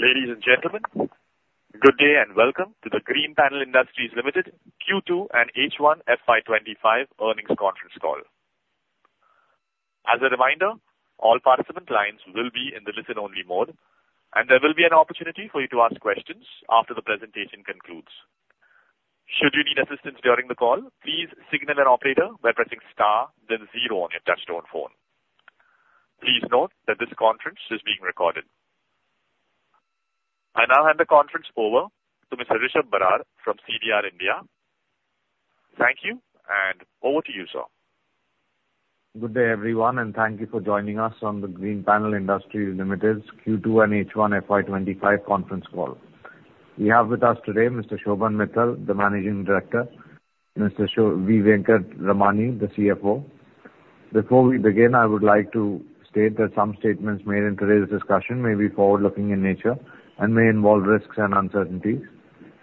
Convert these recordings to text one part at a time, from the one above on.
Ladies and gentlemen, good day and welcome to the Greenpanel Industries Ltd Q2 and H1 FY25 earnings conference call. As a reminder, all participant lines will be in the listen-only mode, and there will be an opportunity for you to ask questions after the presentation concludes. Should you need assistance during the call, please signal an operator by pressing star, then zero on your touch-tone phone. Please note that this conference is being recorded. I now hand the conference over to Mr. Rishab Barar from CDR India. Thank you, and over to you, sir. Good day, everyone, and thank you for joining us on the Greenpanel Industries Ltd Q2 and H1 FY25 conference call. We have with us today Mr. Shobhan Mittal, the Managing Director, Mr. V. Venkatramani, the CFO. Before we begin, I would like to state that some statements made in today's discussion may be forward-looking in nature and may involve risks and uncertainties.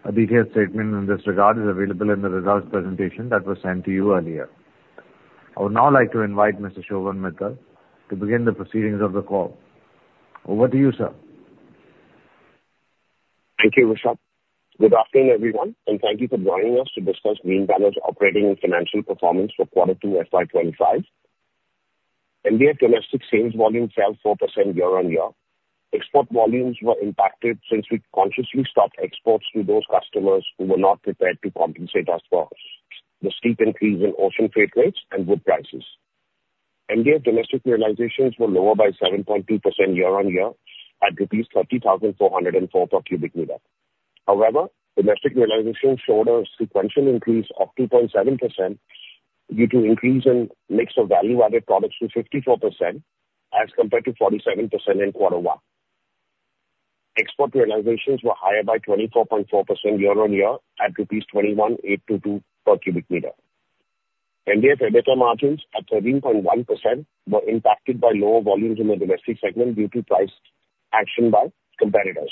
A detailed statement in this regard is available in the results presentation that was sent to you earlier. I would now like to invite Mr. Shobhan Mittal to begin the proceedings of the call. Over to you, sir. Thank you, Rishab. Good afternoon, everyone, and thank you for joining us to discuss Greenpanel's operating and financial performance for Q2 FY25. Our domestic sales volume fell 4% year-on-year. Export volumes were impacted since we consciously stopped exports to those customers who were not prepared to compensate us for the steep increase in ocean freight rates and wood prices. Our domestic realizations were lower by 7.2% year-on-year at rupees 30,404 per cubic meter. However, domestic realizations showed a sequential increase of 2.7% due to an increase in the mix of value-added products to 54% as compared to 47% in Q1. Export realizations were higher by 24.4% year-on-year at rupees 21,822 per cubic meter. Our EBITDA margins at 13.1% were impacted by lower volumes in the domestic segment due to price action by competitors.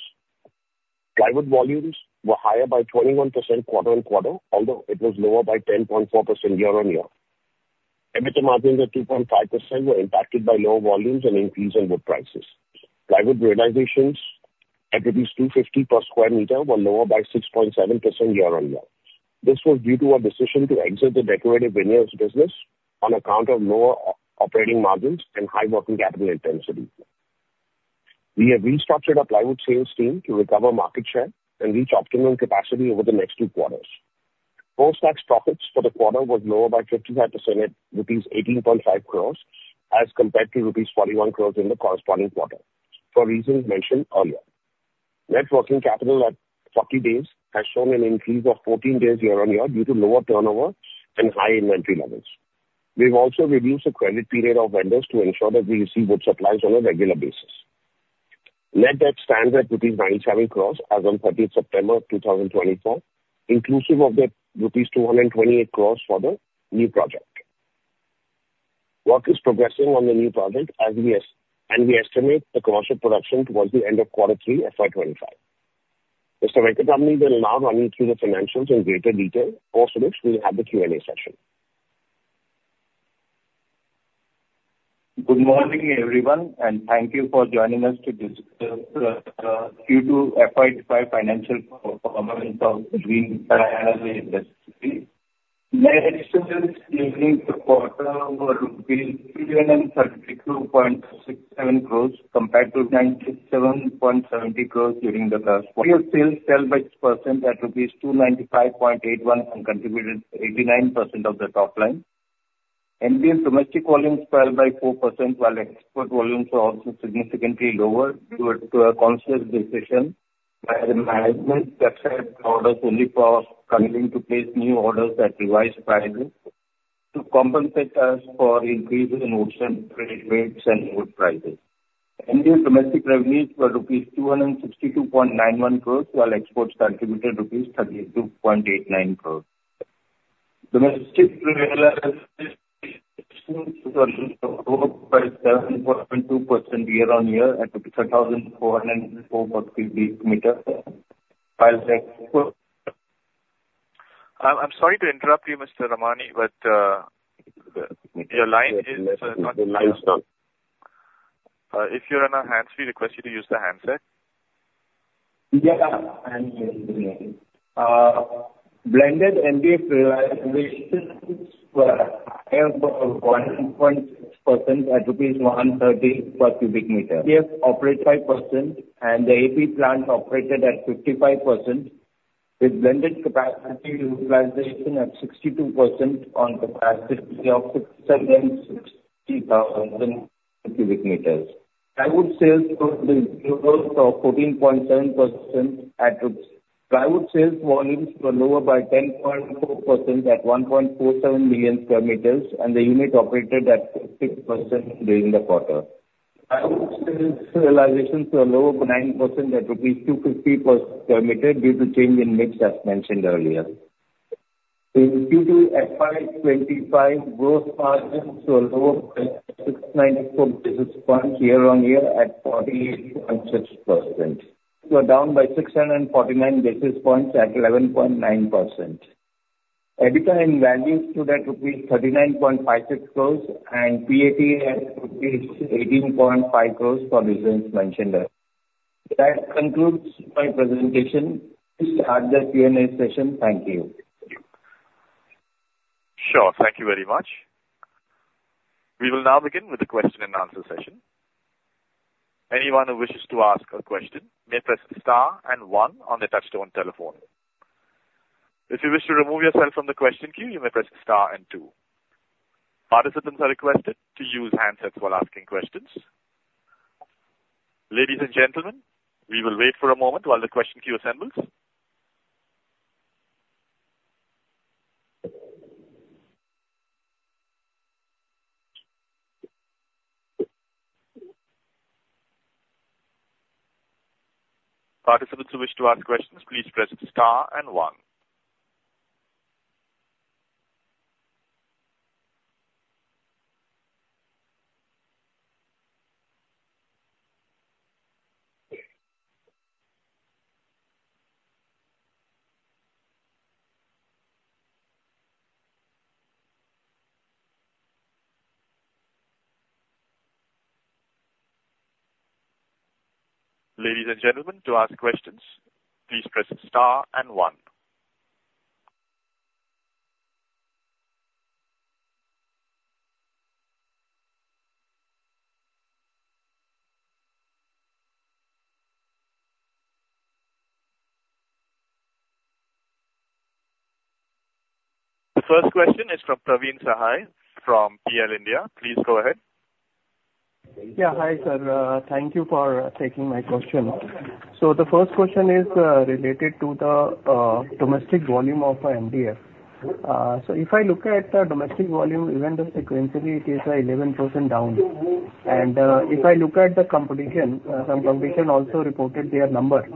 Plywood volumes were higher by 21% quarter-on-quarter, although it was lower by 10.4% year-on-year. EBITDA margins at 2.5% were impacted by lower volumes and an increase in wood prices. Plywood realizations at rupees 250 per square meter were lower by 6.7% year-on-year. This was due to our decision to exit the decorative veneers business on account of lower operating margins and high working capital intensity. We have restructured our plywood sales team to recover market share and reach optimum capacity over the next two quarters. Post-tax profits for the quarter were lower by 55% at rupees 18.5 crores as compared to rupees 41 crores in the corresponding quarter for reasons mentioned earlier. Net working capital at 40 days has shown an increase of 14 days year-on-year due to lower turnover and high inventory levels. We have also reduced the credit period of vendors to ensure that we receive wood supplies on a regular basis. Net debt stands at INR. 97 crores as of 30 September 2024, inclusive of the INR 228 crores for the new project. Work is progressing on the new project, and we estimate the commercial production toward the end of Q3 FY25. Mr. Venkatramani, we're now running through the financials in greater detail, post which we'll have the Q&A session. Good morning, everyone, and thank you for joining us to discuss Q2 FY25 financial performance of Greenpanel Industries. Yesterday's evening's quarter overall billings INR 32.67 crores compared to INR 97.70 crores during the last quarter. India sales fell by 6% at INR 295.81 crores and contributed 89% of the top line. India domestic volumes fell by 4%, while export volumes were also significantly lower due to a conscious decision by the management to accept orders only for struggling to place new orders at revised prices to compensate us for increases in ocean freight rates and wood prices. India domestic revenues were rupees 262.91 crores, while exports contributed rupees 32.89 crores. Domestic realizations were lower by 7.2% year-on-year at INR 5,404 per cubic meter, while export. I'm sorry to interrupt you, Mr. Ramani, but your line is not. The line's gone. If you're on a hands-free, request you to use the handset. Yes, I'm here. Blended India's realizations were higher by 1.6% at 130 per cubic meter. India's operate. 25%, and the AP plant operated at 55% with blended capacity utilization at 62% on capacity of 67,060,000 cubic meters. Plywood sales growth was 14.7% at. Plywood sales volumes were lower by 10.4% at 1.47 million sq m, and the unit operated at 50% during the quarter. Plywood sales realizations were lower by 9% at Rs. 250 per sq m due to change in mix as mentioned earlier. In Q2 FY25, gross margins were lower by 694 basis points year-on-year at 48.6%. They were down by 649 basis points at 11.9%. EBITDA in value stood at Rs. 39.56 crores, and PAT at Rs. 18.5 crores for reasons mentioned earlier. That concludes my presentation. Please start the Q&A session. Thank you. Sure. Thank you very much. We will now begin with the question-and-answer session. Anyone who wishes to ask a question may press star and one on the touch-tone telephone. If you wish to remove yourself from the question queue, you may press star and two. Participants are requested to use handsets while asking questions. Ladies and gentlemen, we will wait for a moment while the question queue assembles. Participants who wish to ask questions, please press star and one. Ladies and gentlemen, to ask questions, please press star and one. The first question is from Praveen Sahay from PL India. Please go ahead. Yeah, hi, sir. Thank you for taking my question. So the first question is related to the domestic volume of MDF. So if I look at the domestic volume, even the sequentially, it is 11% down. And if I look at the competition, some competition also reported their number.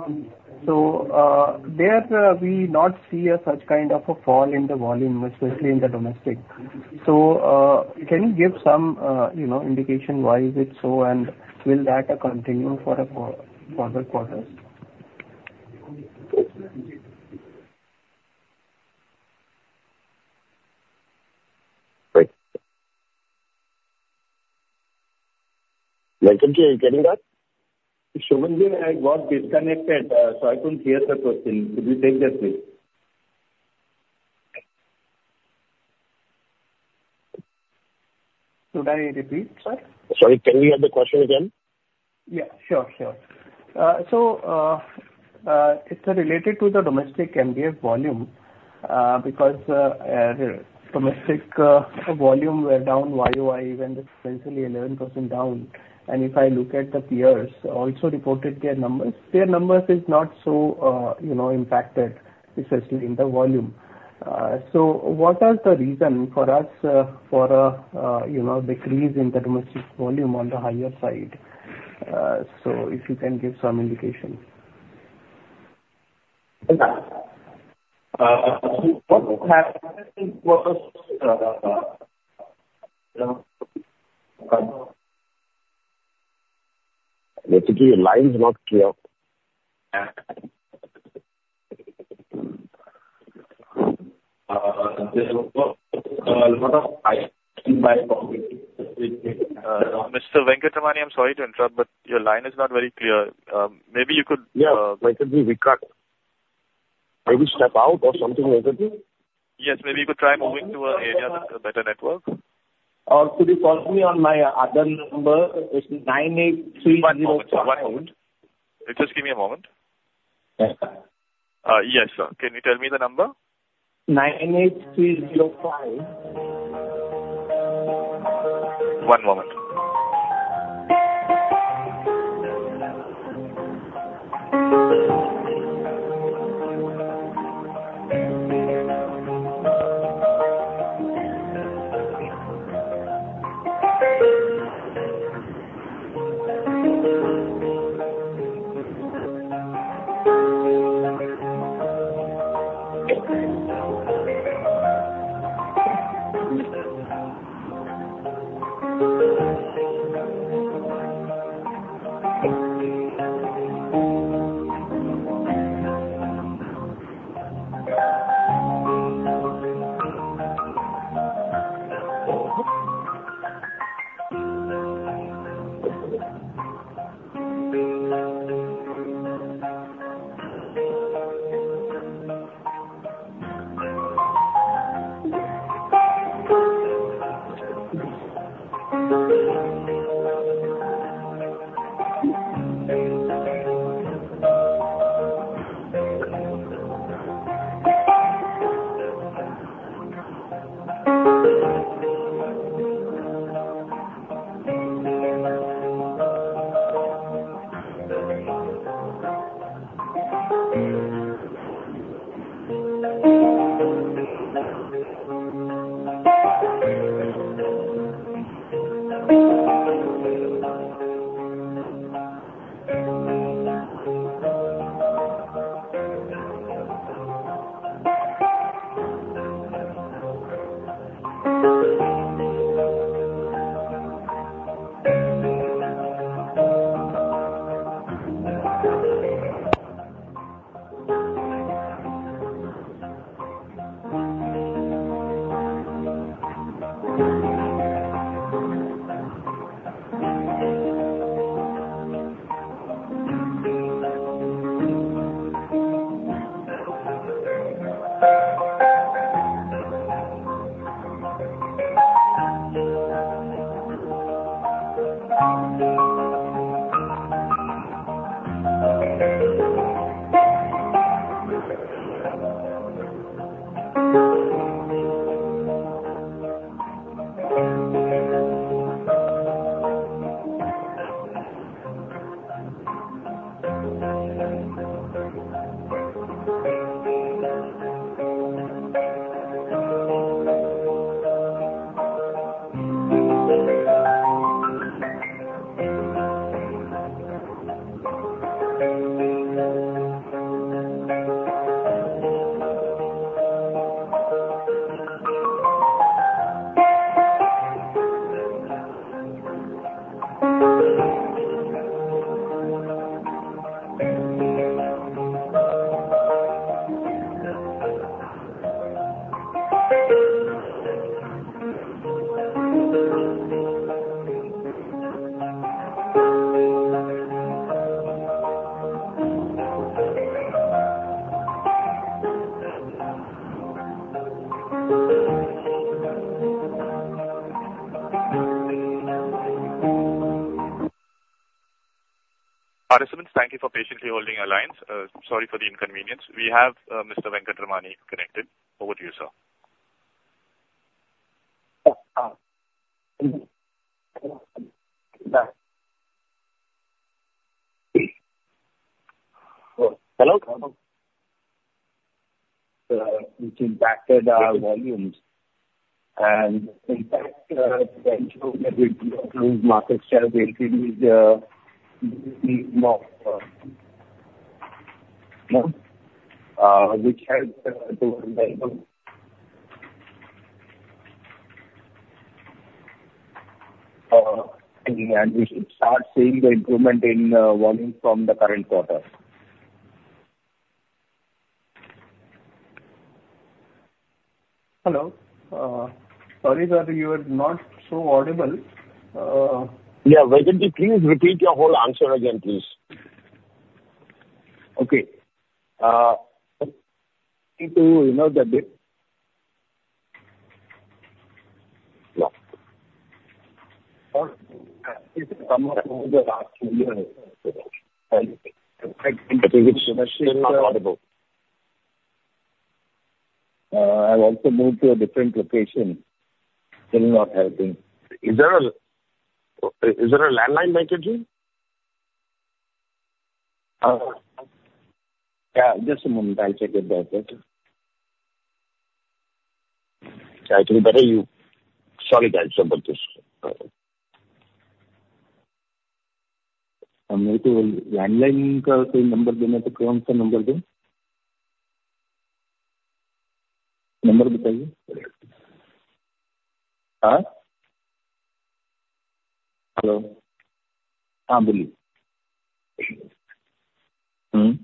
So there we not see such kind of a fall in the volume, especially in the domestic. So can you give some indication why is it so, and will that continue for the quarters? Thank you. Getting that? Shobhan, I got disconnected, so I couldn't hear the question. Could you take that, please? Could I repeat, sir? Sorry, can you hear the question again? Yeah, sure, sure. So it's related to the domestic MDF volume because domestic volume were down YoY, even sequentially 11% down. And if I look at the peers also reported their numbers, their numbers is not so impacted, especially in the volume. So what are the reason for us for a decrease in the domestic volume on the higher side? So if you can give some indication. The line's not clear. Mr. Venkatramani, I'm sorry to interrupt, but your line is not very clear. Maybe you could. Yeah, Venkatji, we cut. Maybe step out or something like that? Yes, maybe you could try moving to an area that has a better network. Also, you called me on my other number. It's 98305. One moment. Just give me a moment. Yes, sir. Can you tell me the number? 98305. One moment. Participants, thank you for patiently holding your lines. Sorry for the inconvenience. We have Mr. V. Venkatramani connected. Over to you, sir. Hello. Impacted our volumes. And in fact, the improved market share will increase the volume, which helps availability. And we should start seeing the improvement in volume from the current quarter. Hello. Sorry, sir, you are not so audible. Yeah, Venkatji, please repeat your whole answer again, please. Okay. I've also moved to a different location. Still not helping. Is there a landline, Venkatji? Yeah, just a moment. I'll check it there. I can better you. Sorry, guys, about this. Me too. Landline call to number, then I have to call on some number, though. Number, but tell you. Hello? हां, बोलिए. हम्म? Please, जल्दी बताइए. Yeah,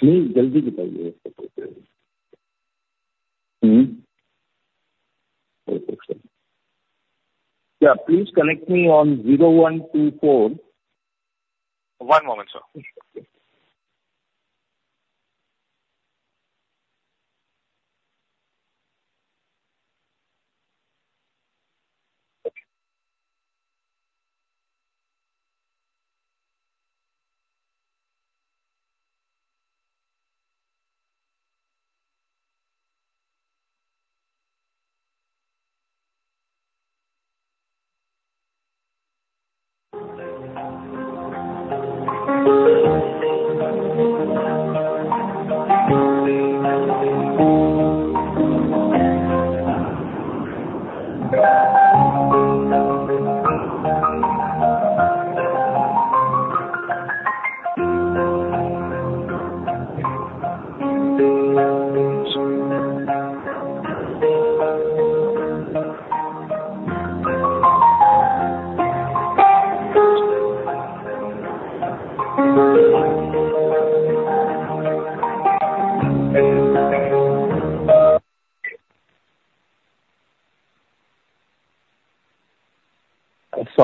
please connect me on 0124. One moment, sir.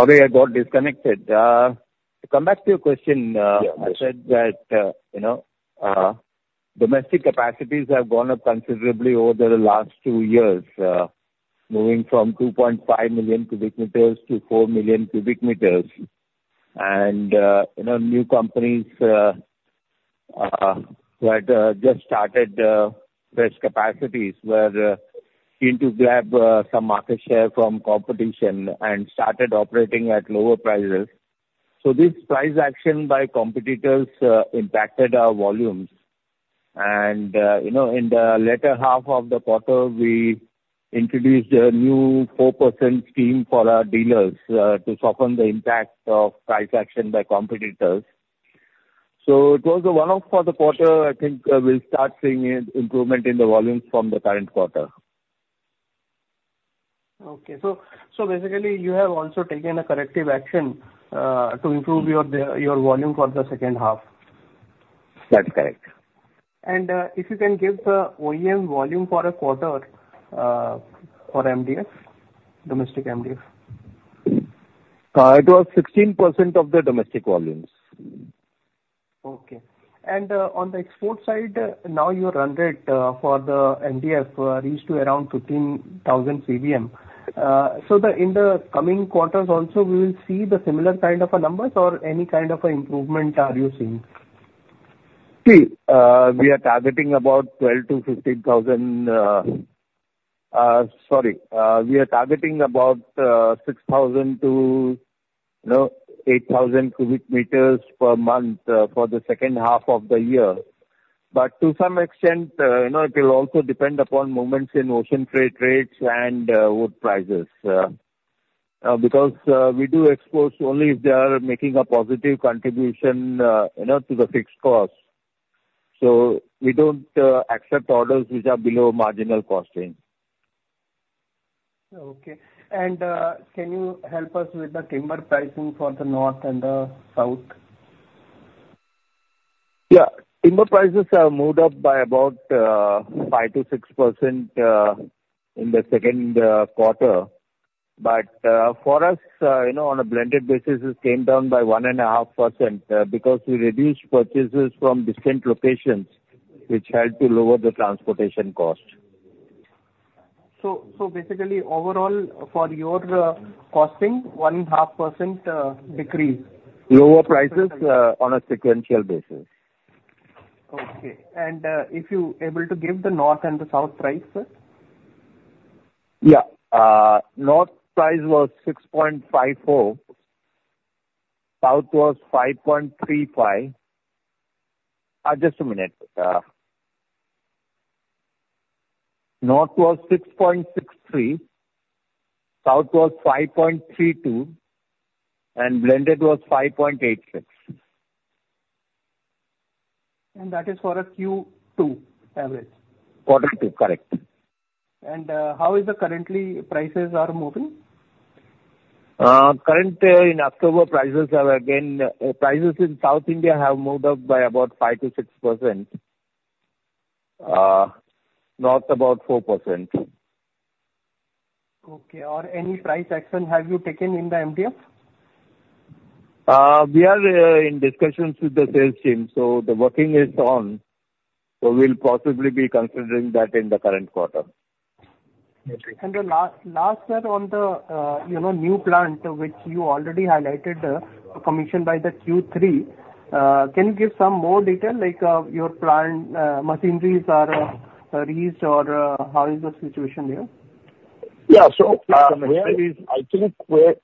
Sorry, I got disconnected. To come back to your question, I said that domestic capacities have gone up considerably over the last two years, moving from 2.5 million cubic meters to 4 million cubic meters. And new companies that just started fresh capacities were keen to grab some market share from competition and started operating at lower prices. So this price action by competitors impacted our volumes. And in the latter half of the quarter, we introduced a new 4% scheme for our dealers to soften the impact of price action by competitors. So it was a one-off for the quarter. I think we'll start seeing improvement in the volumes from the current quarter. Okay, so basically, you have also taken a corrective action to improve your volume for the second half. That's correct. If you can give the OEM volume for a quarter for MDF, domestic MDF. It was 16% of the domestic volumes. Okay. And on the export side, now you're 100 for the MDF, reached to around 15,000 CBM. So in the coming quarters also, we will see the similar kind of numbers or any kind of improvement are you seeing? See, we are targeting about 12 to 15,000. Sorry, we are targeting about 6,000 to 8,000 cubic meters per month for the second half of the year, but to some extent, it will also depend upon movements in ocean freight rates and wood prices, because we do exports only if they are making a positive contribution to the fixed cost, so we don't accept orders which are below marginal costing. Okay. And can you help us with the timber pricing for the north and the south? Yeah. Timber prices have moved up by about 5% to 6% in the second quarter. But for us, on a blended basis, it came down by 1.5% because we reduced purchases from distant locations, which helped to lower the transportation cost. So basically, overall, for your costing, 1.5% decrease. Lower prices on a sequential basis. Okay. And if you're able to give the north and the south price, sir? Yeah. North price was 6.54. South was 5.35. Just a minute. North was 6.63. South was 5.32 and blended was 5.86. That is for a Q2 average. Quarter Q2, correct. How are the current prices moving? Currently, in October, prices have again. Prices in South India have moved up by about 5% to 6%. North about 4%. Okay. Or any price action have you taken in the MDF? We are in discussions with the sales team. So the working is on. So we'll possibly be considering that in the current quarter. Last, sir, on the new plant, which you already highlighted, commissioned by the Q3, can you give some more detail? Like your plant machineries are reached or how is the situation there? Yeah, so I think we're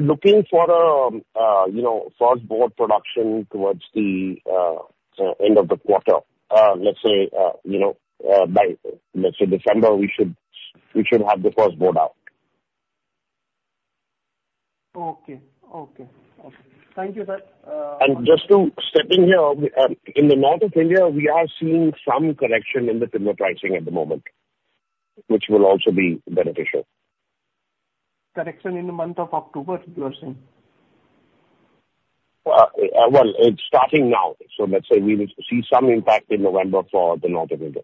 looking for a first board production towards the end of the quarter. Let's say by December, we should have the first board out. Okay. Thank you, sir. Just stepping here, in North India, we are seeing some correction in the timber pricing at the moment, which will also be beneficial. Correction in the month of October, you are saying? Well, it's starting now. So let's say we will see some impact in November for the north of India.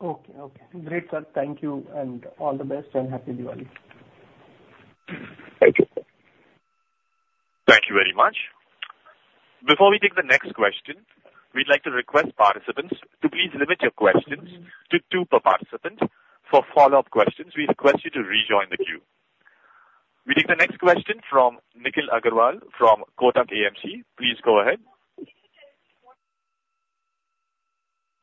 Okay. Okay. Great, sir. Thank you, and all the best and happy Diwali. Thank you. Thank you very much. Before we take the next question, we'd like to request participants to please limit your questions to two per participant. For follow-up questions, we request you to rejoin the queue. We take the next question from Nikhil Agarwal from Kotak AMC. Please go ahead.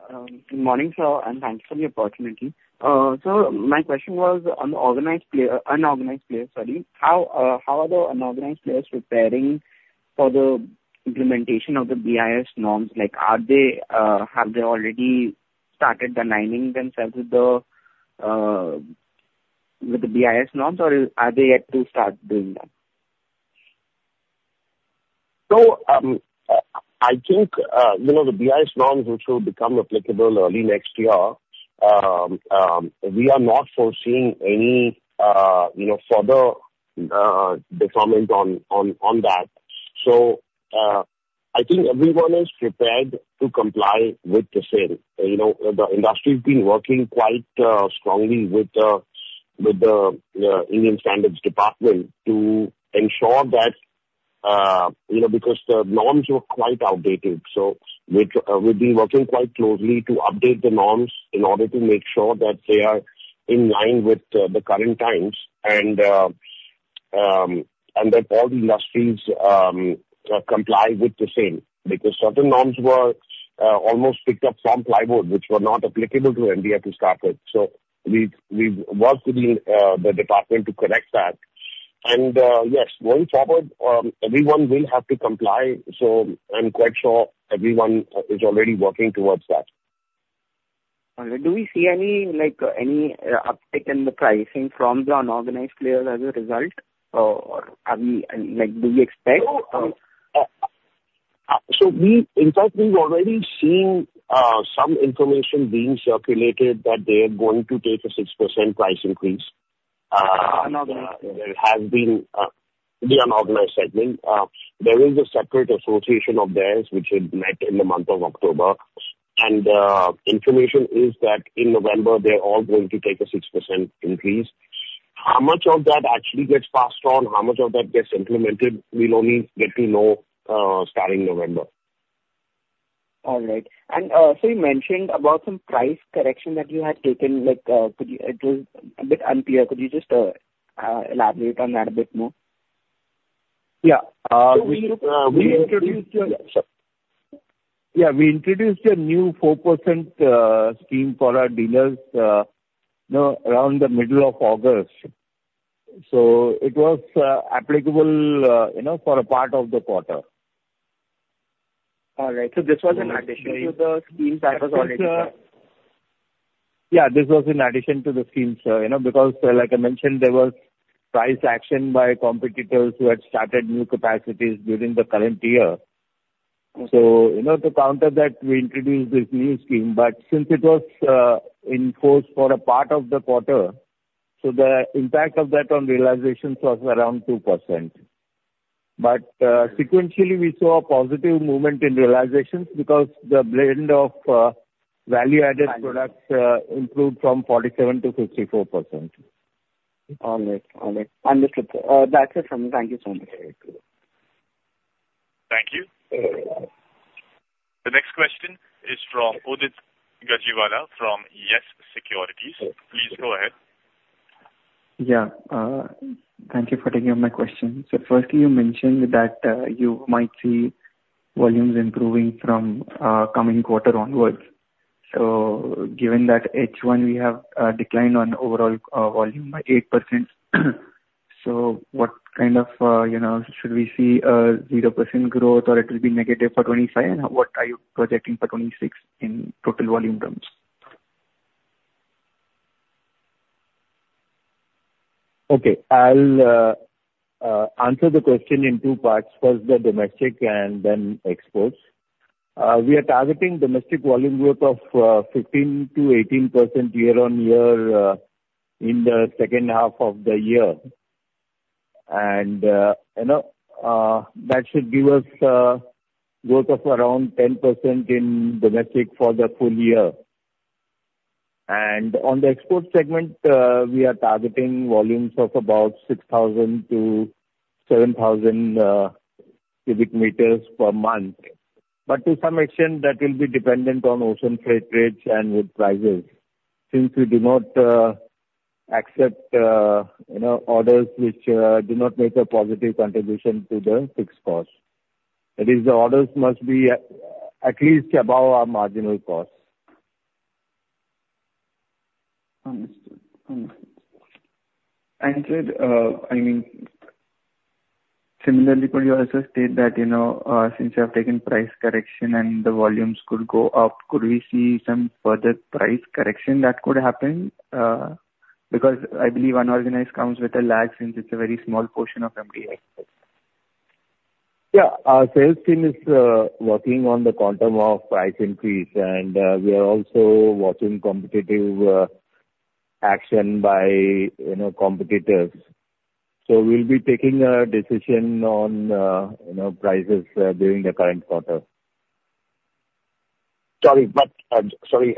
Good morning, sir, and thanks for the opportunity, so my question was on the unorganized players, sorry. How are the unorganized players preparing for the implementation of the BIS norms? Have they already started aligning themselves with the BIS norms, or are they yet to start doing that? I think the BIS norms which will become applicable early next year, we are not foreseeing any further development on that. I think everyone is prepared to comply with the same. The industry has been working quite strongly with the Indian Standards Department to ensure that, because the norms were quite outdated. We've been working quite closely to update the norms in order to make sure that they are in line with the current times and that all the industries comply with the same. Because certain norms were almost picked up from plywood, which were not applicable to MDF to start with. We've worked with the department to correct that. Yes, going forward, everyone will have to comply. I'm quite sure everyone is already working towards that. Do we see any uptick in the pricing from the unorganized players as a result? Or do we expect? In fact, we've already seen some information being circulated that they are going to take a 6% price increase. There has been the unorganized segment. There is a separate association of theirs which had met in the month of October. And information is that in November, they're all going to take a 6% increase. How much of that actually gets passed on, how much of that gets implemented, we'll only get to know starting November. All right. And so you mentioned about some price correction that you had taken. It was a bit unclear. Could you just elaborate on that a bit more? Yeah. We introduced a new 4% scheme for our dealers around the middle of August. So it was applicable for a part of the quarter. All right. So this was in addition to the scheme that was already started? Yeah. This was in addition to the scheme, sir. Because like I mentioned, there was price action by competitors who had started new capacities during the current year. So to counter that, we introduced this new scheme. But since it was enforced for a part of the quarter, so the impact of that on realizations was around 2%. But sequentially, we saw a positive movement in realizations because the blend of value-added products improved from 47% to 54%. All right. All right. Understood. That's it from me. Thank you so much. Thank you. The next question is from Udit Gajiwala from YES SECURITIES. Please go ahead. Yeah. Thank you for taking up my question. So firstly, you mentioned that you might see volumes improving from coming quarter onwards. So given that H1, we have declined on overall volume by 8%. So what kind of should we see? 0% growth or it will be negative for 25? And what are you projecting for 26 in total volume terms? Okay. I'll answer the question in two parts. First, the domestic and then exports. We are targeting domestic volume growth of 15% to 18% year on year in the second half of the year. And that should give us a growth of around 10% in domestic for the full year. And on the export segment, we are targeting volumes of about 6,000 to 7,000 cubic meters per month. But to some extent, that will be dependent on ocean freight rates and wood prices since we do not accept orders which do not make a positive contribution to the fixed cost. That is, the orders must be at least above our marginal cost. Understood. Understood, and sir, I mean, similarly, could you also state that since you have taken price correction and the volumes could go up, could we see some further price correction that could happen? Because I believe unorganized comes with a lag since it's a very small portion of MDF. Yeah. Our sales team is working on the quantum of price increase, and we are also watching competitive action by competitors, so we'll be taking a decision on prices during the current quarter. Sorry, but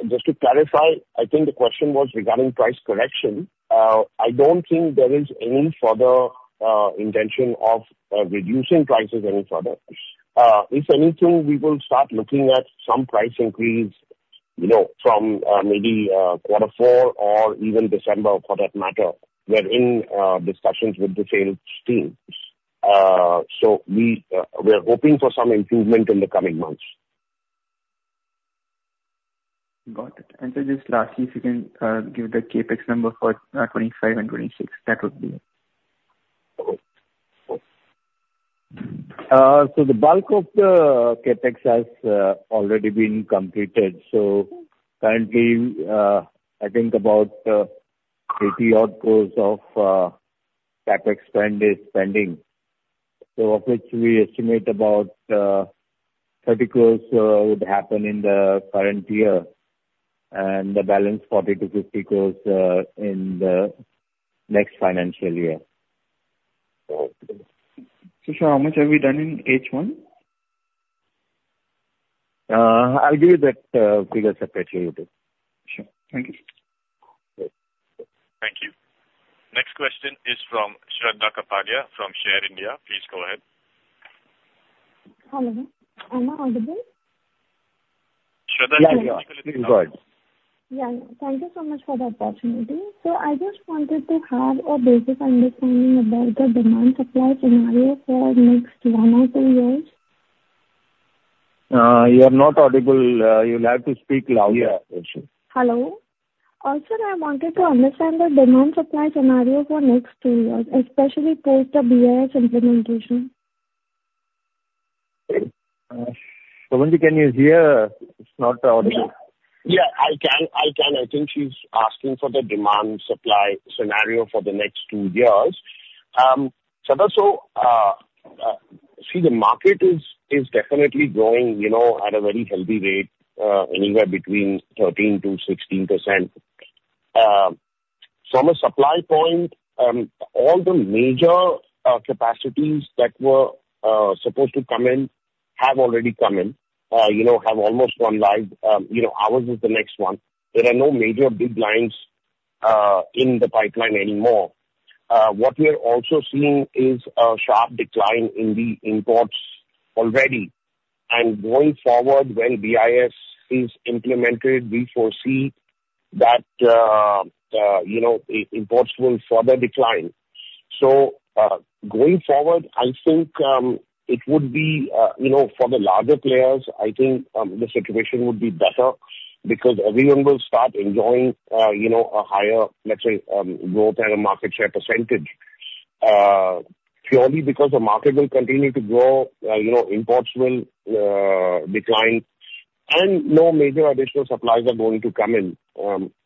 just to clarify, I think the question was regarding price correction. I don't think there is any further intention of reducing prices any further. If anything, we will start looking at some price increase from maybe quarter four or even December, for that matter. We're in discussions with the sales team. So we're hoping for some improvement in the coming months. Got it. And so just lastly, if you can give the Capex number for 25 and 26, that would be. The bulk of the CapEx has already been completed. Currently, I think about Rs. 80-odd crores of CapEx spend is pending. Of which we estimate about Rs. 30 crores would happen in the current year. The balance, Rs. 40 to Rs. 50 crores in the next financial year. How much have we done in H1? I'll give you that figure separately. Sure. Thank you. Thank you. Next question is from Shraddha Kapadia from Share India. Please go ahead. Hello. Am I audible? Shraddha, you're on. Yes, I'm good. Yeah. Thank you so much for the opportunity. So I just wanted to have a basic understanding about the demand supply scenario for next one or two years? You are not audible. You'll have to speak louder. Yeah. Hello? Also, I wanted to understand the demand supply scenario for next two years, especially post the BIS implementation. Shobhanji, can you hear? It's not audible. Yeah, I can. I can. I think she's asking for the demand supply scenario for the next two years. So see, the market is definitely growing at a very healthy rate, anywhere between 13% to 16%. From a supply point, all the major capacities that were supposed to come in have already come in, have almost gone live. Ours is the next one. There are no major big lines in the pipeline anymore. What we are also seeing is a sharp decline in the imports already. And going forward, when BIS is implemented, we foresee that imports will further decline. So going forward, I think it would be for the larger players, I think the situation would be better because everyone will start enjoying a higher, let's say, growth and a market share percentage. Purely because the market will continue to grow, imports will decline, and no major additional supplies are going to come in.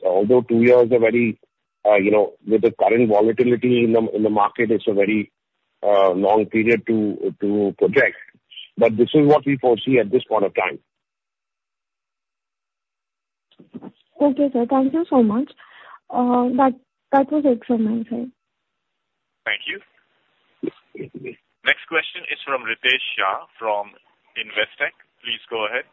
Although two years are very long with the current volatility in the market, it's a very long period to project. But this is what we foresee at this point of time. Okay, sir. Thank you so much. That was it from my side. Thank you. Next question is from Ritesh Shah from Investec. Please go ahead.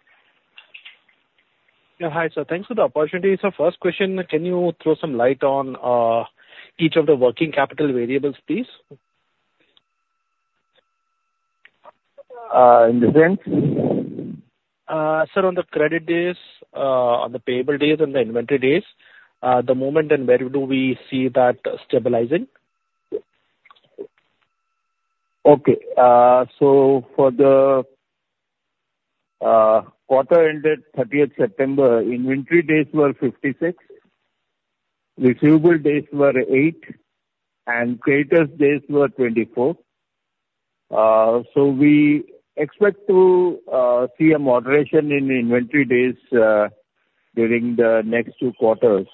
Yeah. Hi, sir. Thanks for the opportunity. So first question, can you throw some light on each of the working capital variables, please? In the sense? Sir, on the credit days, on the payable days, and the inventory days, the movement and where do we see that stabilizing? Okay. So for the quarter ended 30th September, inventory days were 56, receivable days were 8, and creditors' days were 24. So we expect to see a moderation in inventory days during the next two quarters.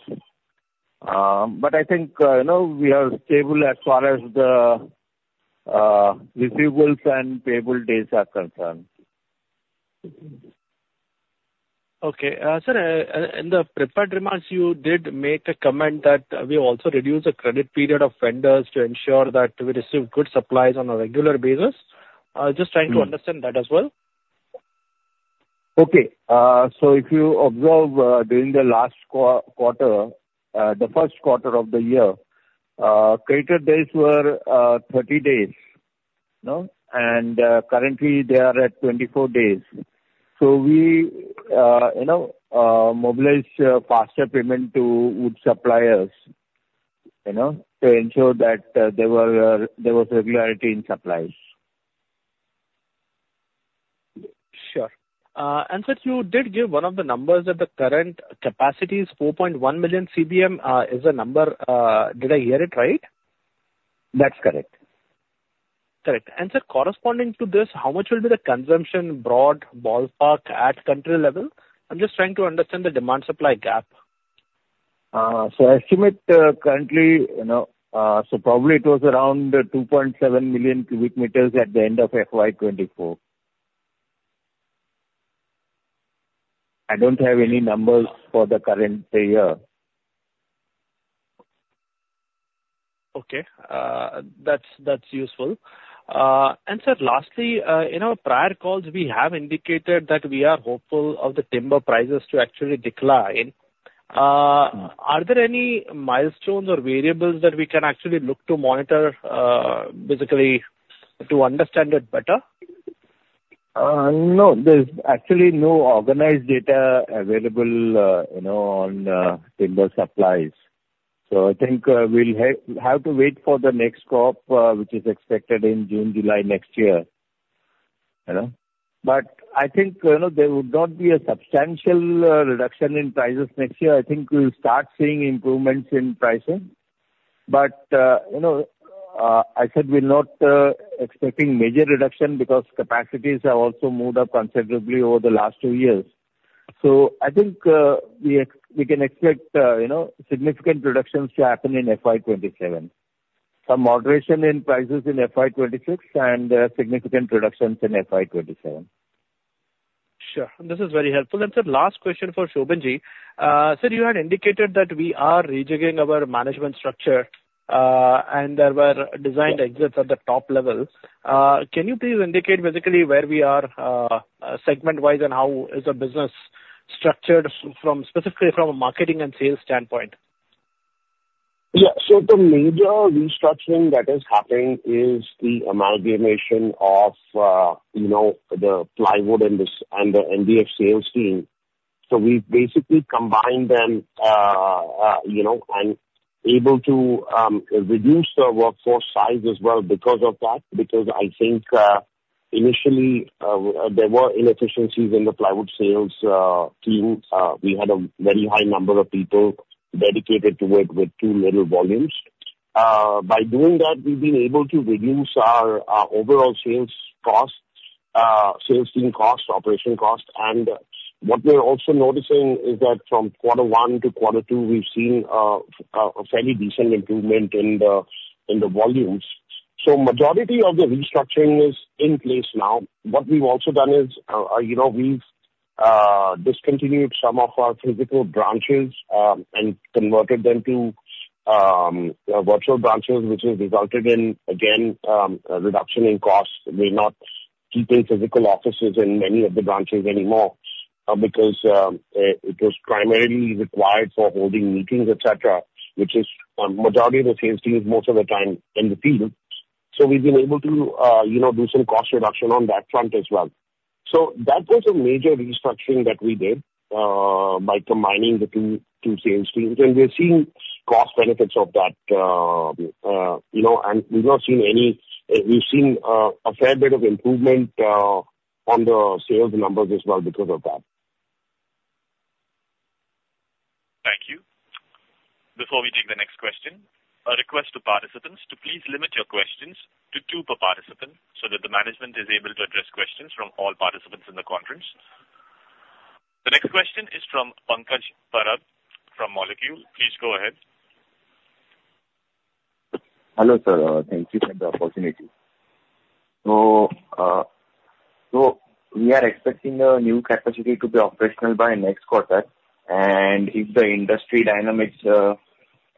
But I think we are stable as far as the receivables and payable days are concerned. Okay. Sir, in the prepared remarks, you did make a comment that we also reduce the credit period of vendors to ensure that we receive good supplies on a regular basis. Just trying to understand that as well. Okay. So if you observe during the last quarter, the first quarter of the year, creditors' days were 30 days. And currently, they are at 24 days. So we mobilize faster payment to wood suppliers to ensure that there was regularity in supplies. Sure. And sir, you did give one of the numbers that the current capacity is 4.1 million CBM is the number. Did I hear it right? That's correct. Correct. And sir, corresponding to this, how much will be the consumption, broad ballpark, at country level? I'm just trying to understand the demand supply gap. Estimate currently, so probably it was around 2.7 million cubic meters at the end of FY24. I don't have any numbers for the current year. Okay. That's useful. And sir, lastly, in our prior calls, we have indicated that we are hopeful of the timber prices to actually decline. Are there any milestones or variables that we can actually look to monitor, basically, to understand it better? No. There's actually no organized data available on timber supplies. So I think we'll have to wait for the next crop, which is expected in June, July next year. But I think there would not be a substantial reduction in prices next year. I think we'll start seeing improvements in pricing. But I said we're not expecting major reduction because capacities have also moved up considerably over the last two years. So I think we can expect significant reductions to happen in FY 27. Some moderation in prices in FY 26 and significant reductions in FY 27. Sure. This is very helpful, and sir, last question for Shobhanji. Sir, you had indicated that we are rejigging our management structure and there were resigned exits at the top level. Can you please indicate basically where we are segment-wise and how is the business structured specifically from a marketing and sales standpoint? Yeah. So the major restructuring that is happening is the amalgamation of the plywood and the MDF sales team. So we've basically combined them and able to reduce the workforce size as well because of that. Because I think initially there were inefficiencies in the plywood sales team. We had a very high number of people dedicated to it with too little volumes. By doing that, we've been able to reduce our overall sales cost, sales team cost, operation cost. And what we're also noticing is that from quarter one to quarter two, we've seen a fairly decent improvement in the volumes. So majority of the restructuring is in place now. What we've also done is we've discontinued some of our physical branches and converted them to virtual branches, which has resulted in, again, a reduction in costs. We're not keeping physical offices in many of the branches anymore because it was primarily required for holding meetings, etc., which is majority of the sales team is most of the time in the field. So we've been able to do some cost reduction on that front as well. So that was a major restructuring that we did by combining the two sales teams. And we're seeing cost benefits of that. We've seen a fair bit of improvement on the sales numbers as well because of that. Thank you. Before we take the next question, a request to participants to please limit your questions to two per participant so that the management is able to address questions from all participants in the conference. The next question is from Pankaj Parab from Molecule. Please go ahead. Hello sir. Thank you for the opportunity. So we are expecting the new capacity to be operational by next quarter. And if the industry dynamics,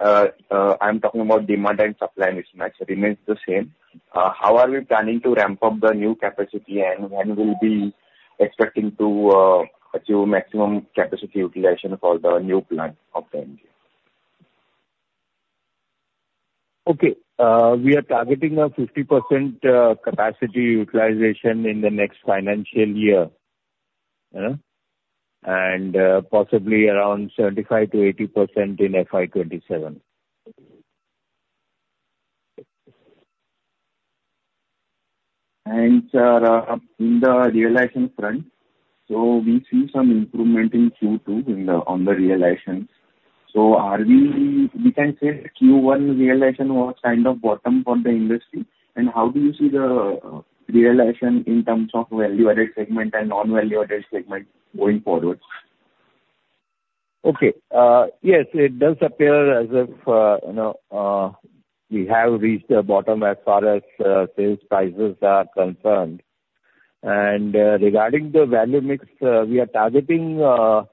I'm talking about demand and supply mismatch, remains the same. How are we planning to ramp up the new capacity and when will we be expecting to achieve maximum capacity utilization for the new plant of the MDF? Okay. We are targeting a 50% capacity utilization in the next financial year. And possibly around 75% to 80% in FY 27. And sir, in the realization front, so we see some improvement in Q2 on the realizations. So we can say Q1 realization was kind of bottom for the industry. And how do you see the realization in terms of value-added segment and non-value-added segment going forward? Okay. Yes, it does appear as if we have reached the bottom as far as sales prices are concerned, and regarding the value mix, we are targeting a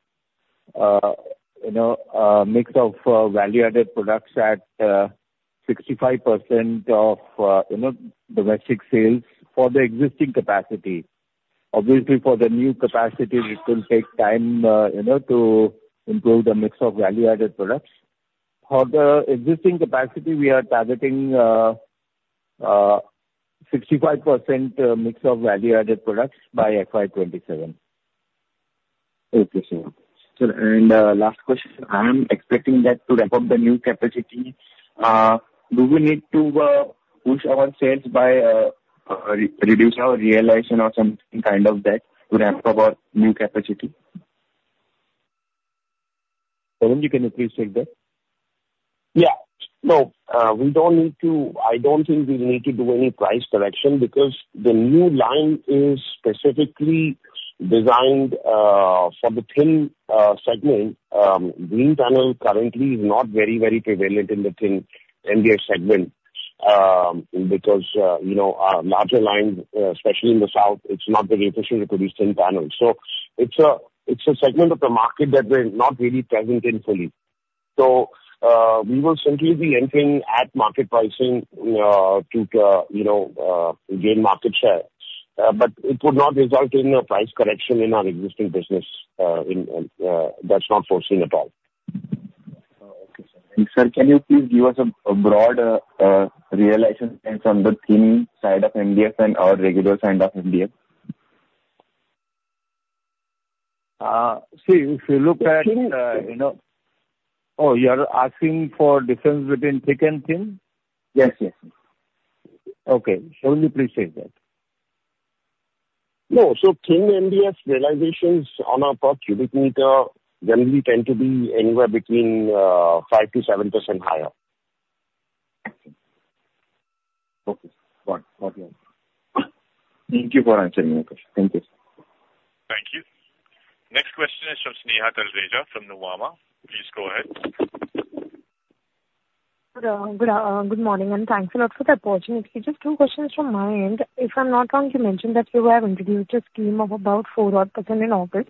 mix of value-added products at 65% of domestic sales for the existing capacity. Obviously, for the new capacity, it will take time to improve the mix of value-added products. For the existing capacity, we are targeting 65% mix of value-added products by FY 27. Okay, sir, and last question, I am expecting that to ramp up the new capacity. Do we need to push our sales by reducing our realization or something kind of that to ramp up our new capacity? Shobhanji, can you please take that? Yeah. No, we don't need to. I don't think we need to do any price correction because the new line is specifically designed for the thin segment. Greenpanel currently is not very, very prevalent in the thin MDF segment because larger lines, especially in the south, it's not very efficient to produce thin panels. So it's a segment of the market that we're not really present in fully. So we will simply be entering at market pricing to gain market share. But it would not result in a price correction in our existing business. That's not foreseen at all. Okay, sir. And sir, can you please give us a broad realization from the thin side of MDF and our regular side of MDF? See, if you look at. Thick and thin. Oh, you are asking for difference between thick and thin? Yes, yes, yes. Okay. Shobhanji, please take that. No. So thin MDF realizations on our per cubic meter generally tend to be anywhere between 5 to 7% higher. Okay. Got it. Thank you for answering my question. Thank you. Thank you. Next question is from Sneha Talreja from Nuvama. Please go ahead. Good morning. And thanks a lot for the opportunity. Just two questions from my end. If I'm not wrong, you mentioned that you have introduced a scheme of about 4-odd% in August.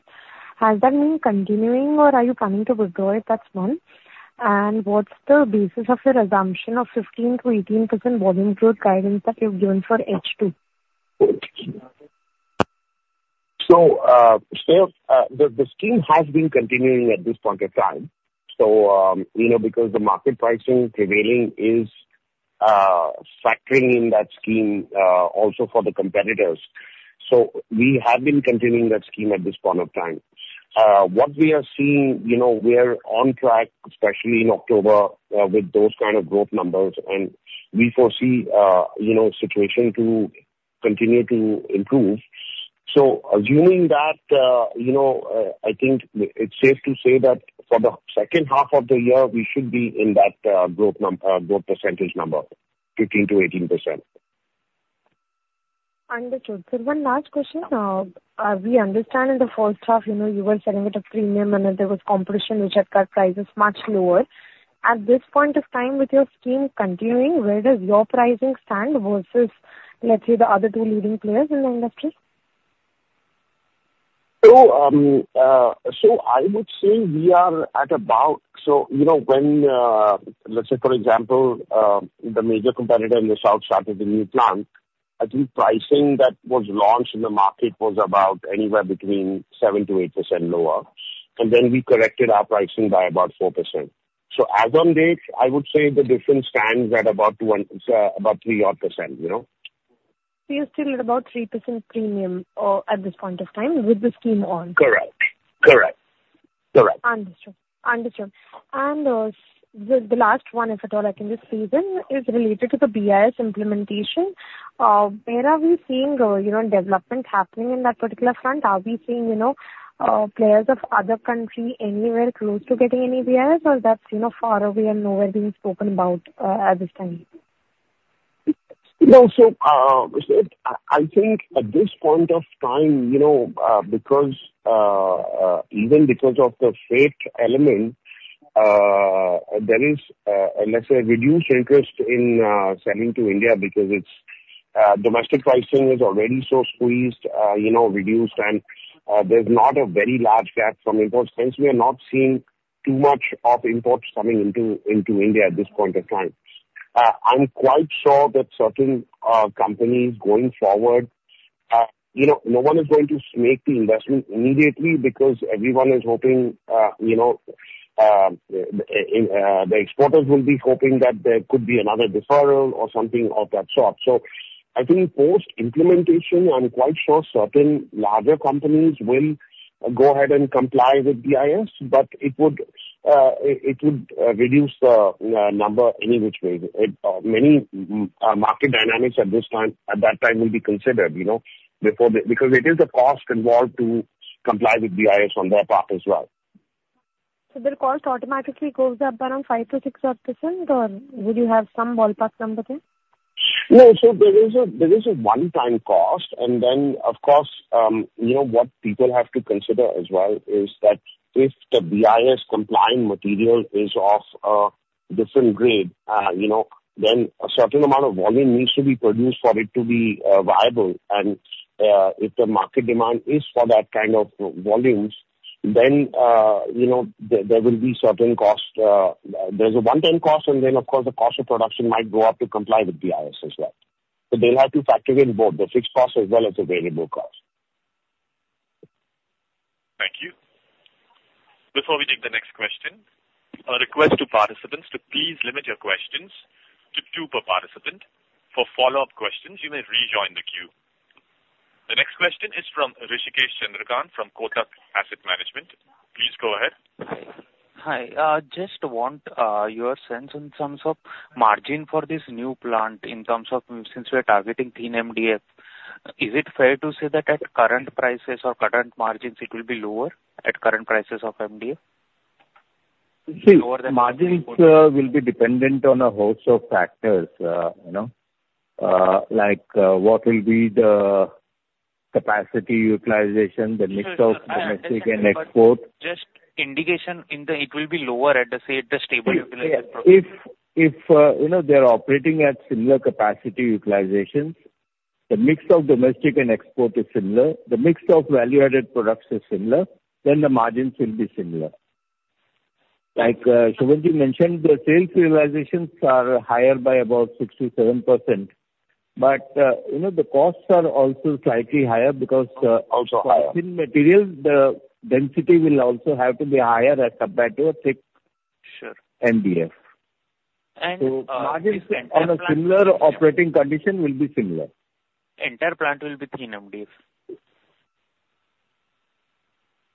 Has that been continuing, or are you planning to withdraw it? That's one. And what's the basis of your assumption of 15% to 18% volume growth guidance that you've given for H2? So the scheme has been continuing at this point of time. So because the market pricing prevailing is factoring in that scheme also for the competitors. So we have been continuing that scheme at this point of time. What we are seeing, we're on track, especially in October with those kind of growth numbers. And we foresee the situation to continue to improve. So assuming that, I think it's safe to say that for the second half of the year, we should be in that growth percentage number, 15% to 18%. Understood. Sir, one last question. We understand in the first half, you were selling at a premium, and there was competition which had got prices much lower. At this point of time, with your scheme continuing, where does your pricing stand versus, let's say, the other two leading players in the industry? So I would say we are at about so when, let's say, for example, the major competitor in the south started the new plant, I think pricing that was launched in the market was about anywhere between 7% to 8% lower. And then we corrected our pricing by about 4%. So as of date, I would say the difference stands at about 3%-odd. So you're still at about 3% premium at this point of time with the scheme on? Correct. Correct. Correct. Understood. Understood. And the last one, if at all, I can just squeeze in, is related to the BIS implementation. Where are we seeing development happening in that particular front? Are we seeing players of other countries anywhere close to getting any BIS, or that's far away and nowhere being spoken about at this time? No. So I think at this point of time, even because of the freight element, there is, let's say, reduced interest in selling to India because domestic pricing is already so squeezed, reduced, and there's not a very large gap from imports. Hence, we are not seeing too much of imports coming into India at this point of time. I'm quite sure that certain companies going forward, no one is going to make the investment immediately because everyone is hoping the exporters will be hoping that there could be another deferral or something of that sort. So I think post-implementation, I'm quite sure certain larger companies will go ahead and comply with BIS, but it would reduce the number any which way. Many market dynamics at that time will be considered because it is the cost involved to comply with BIS on their part as well. So the cost automatically goes up around 5% to 6%-odd, or would you have some ballpark number there? No. So there is a one-time cost. And then, of course, what people have to consider as well is that if the BIS compliant material is of a different grade, then a certain amount of volume needs to be produced for it to be viable. And if the market demand is for that kind of volumes, then there will be certain cost. There's a one-time cost, and then, of course, the cost of production might go up to comply with BIS as well. So they'll have to factor in both the fixed cost as well as the variable cost. Thank you. Before we take the next question, a request to participants to please limit your questions to two per participant. For follow-up questions, you may rejoin the queue. The next question is from Rishikesh Chandrakant from Kotak Asset Management. Please go ahead. Hi. Just want your sense in terms of margin for this new plant in terms of, since we're targeting thin MDF, is it fair to say that at current prices or current margins, it will be lower at current prices of MDF? Margins will be dependent on a host of factors, like what will be the capacity utilization, the mix of domestic and export. Just an indication in the interim, it will be lower at the, say, stable. If they're operating at similar capacity utilizations, the mix of domestic and export is similar, the mix of value-added products is similar, then the margins will be similar. Shobhanji mentioned the sales realizations are higher by about 67%. But the costs are also slightly higher because in materials, the density will also have to be higher as compared to a thick MDF. So margins on a similar operating condition will be similar. Entire plant will be Thin MDF,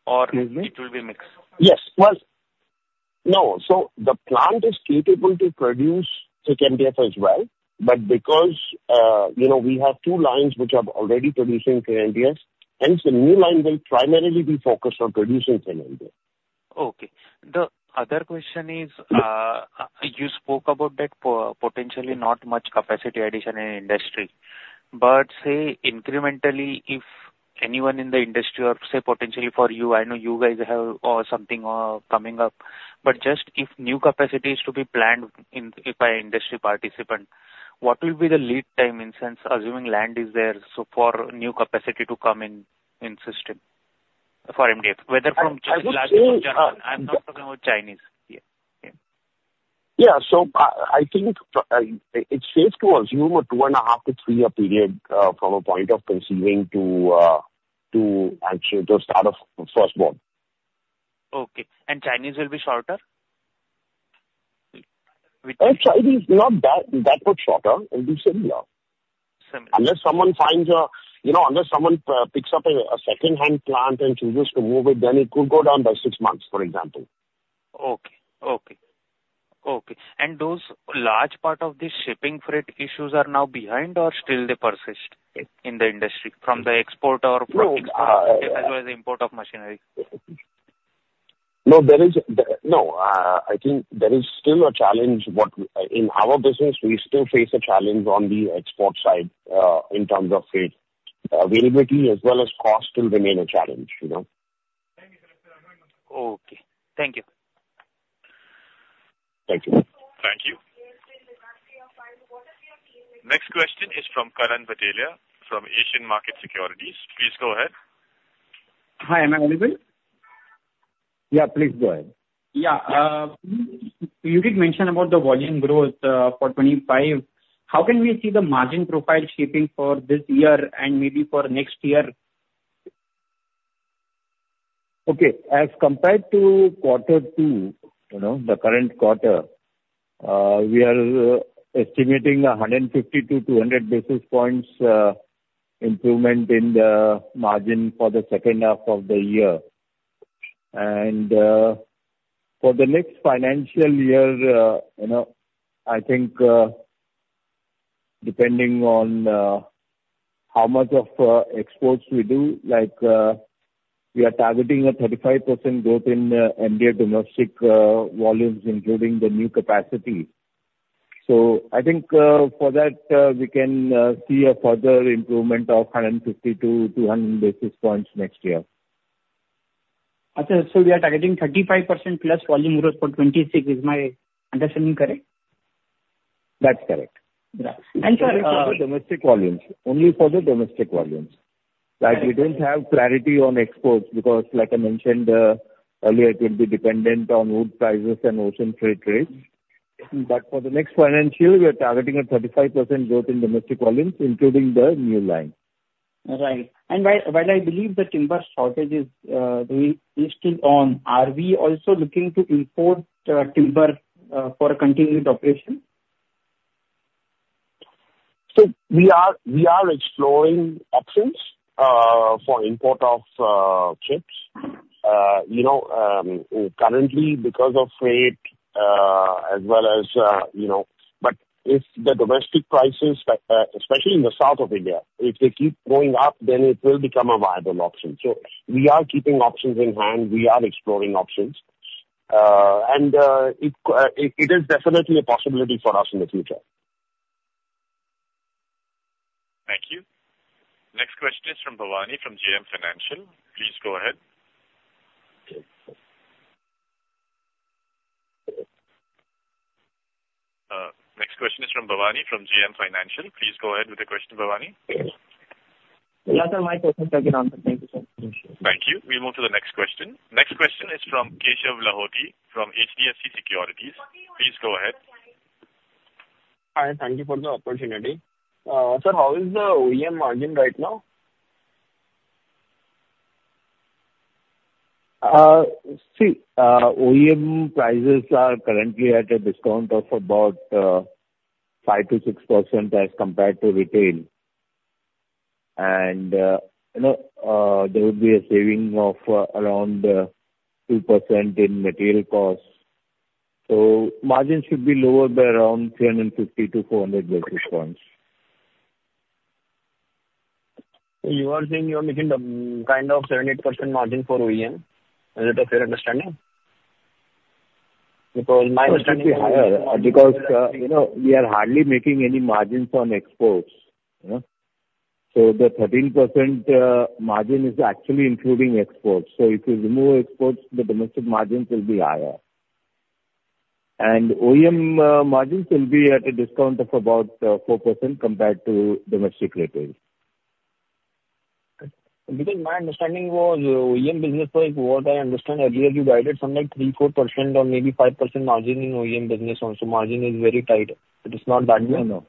or it will be mixed? Yes. Well, no. So the plant is capable to produce thick MDF as well. But because we have two lines which are already producing thin MDF, hence the new line will primarily be focused on producing thin MDF. Okay. The other question is, you spoke about that potentially not much capacity addition in industry. But say, incrementally, if anyone in the industry or say potentially for you, I know you guys have something coming up. But just if new capacity is to be planned by industry participant, what will be the lead time in sense assuming land is there for new capacity to come in system for MDF, whether from just large consumption? I'm not talking about Chinese. Yeah. So I think it's safe to assume a two-and-a-half- to three-year period from a point of conceiving to actually the start of first board. Okay, and Chinese will be shorter? Chinese is not that much shorter. It will be similar. Unless someone picks up a second-hand plant and chooses to move it, then it could go down by six months, for example. Okay. And those large part of the shipping freight issues are now behind, or still they persist in the industry from the exporter or from export as well as the import of machinery? No. I think there is still a challenge. In our business, we still face a challenge on the export side in terms of freight availability as well as cost still remain a challenge. Okay. Thank you. Thank you. Thank you. Next question is from Karan Bhatelia from Asian Market Securities. Please go ahead. Hi. Am I audible? Yeah. Please go ahead. Yeah. You did mention about the volume growth for 2025. How can we see the margin profile shaping for this year and maybe for next year? Okay. As compared to quarter two, the current quarter, we are estimating 150 to 200 basis points improvement in the margin for the second half of the year. And for the next financial year, I think depending on how much of exports we do, we are targeting a 35% growth in MDF domestic volumes, including the new capacity. So I think for that, we can see a further improvement of 150 to 200 basis points next year. We are targeting 35% plus volume growth for 2026. Is my understanding correct? That's correct, and for the domestic volumes, only for the domestic volumes. We don't have clarity on exports because, like I mentioned earlier, it will be dependent on wood prices and ocean freight rates, but for the next financial, we are targeting a 35% growth in domestic volumes, including the new line. Right. And while I believe the timber shortage is still on, are we also looking to import timber for continued operation? We are exploring options for import of chips. Currently, because of freight as well as but if the domestic prices, especially in the South India, if they keep going up, then it will become a viable option. We are keeping options in hand. We are exploring options. It is definitely a possibility for us in the future. Thank you. Next question is from JM Financial. Please go ahead with the question, Bhavani. Yeah. Sir, my question's a good answer. Thank you, sir. Thank you. We'll move to the next question. Next question is from Keshav Lahoti from HDFC Securities. Please go ahead. Hi. Thank you for the opportunity. Sir, how is the OEM margin right now? See, OEM prices are currently at a discount of about 5% to 6% as compared to retail. And there would be a saving of around 2% in material costs. So margin should be lower by around 350 to 400 basis points. So you are saying you are making the kind of 7% to 8% margin for OEM? Is it a fair understanding? It should be higher because we are hardly making any margins on exports. So the 13% margin is actually including exports. So if you remove exports, the domestic margins will be higher and OEM margins will be at a discount of about 4% compared to domestic retail. Because my understanding was OEM business was, what I understand earlier, you guided something like 3% to 4% or maybe 5% margin in OEM business. So margin is very tight. It is not that good. No.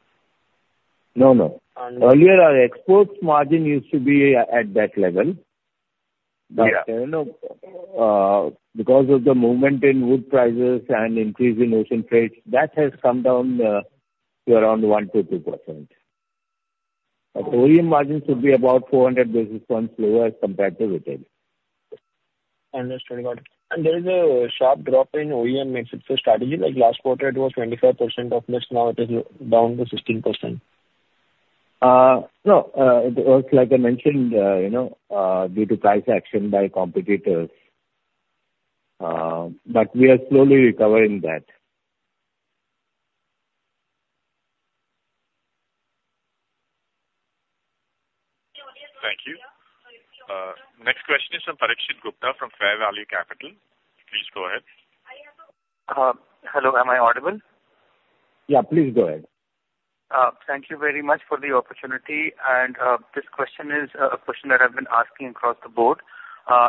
No. No. Earlier, our exports margin used to be at that level. But because of the movement in wood prices and increase in ocean freight, that has come down to around 1% to 2%. OEM margin should be about 400 basis points lower as compared to retail. Understood. Got it. And there is a sharp drop in OEM export strategy. Last quarter, it was 25% of mix. Now it is down to 16%. No. It was, like I mentioned, due to price action by competitors. But we are slowly recovering that. Thank you. Next question is from Parikshit Gupta from Fair Value Capital. Please go ahead. Hello. Am I audible? Yeah. Please go ahead. Thank you very much for the opportunity. And this question is a question that I've been asking across the board.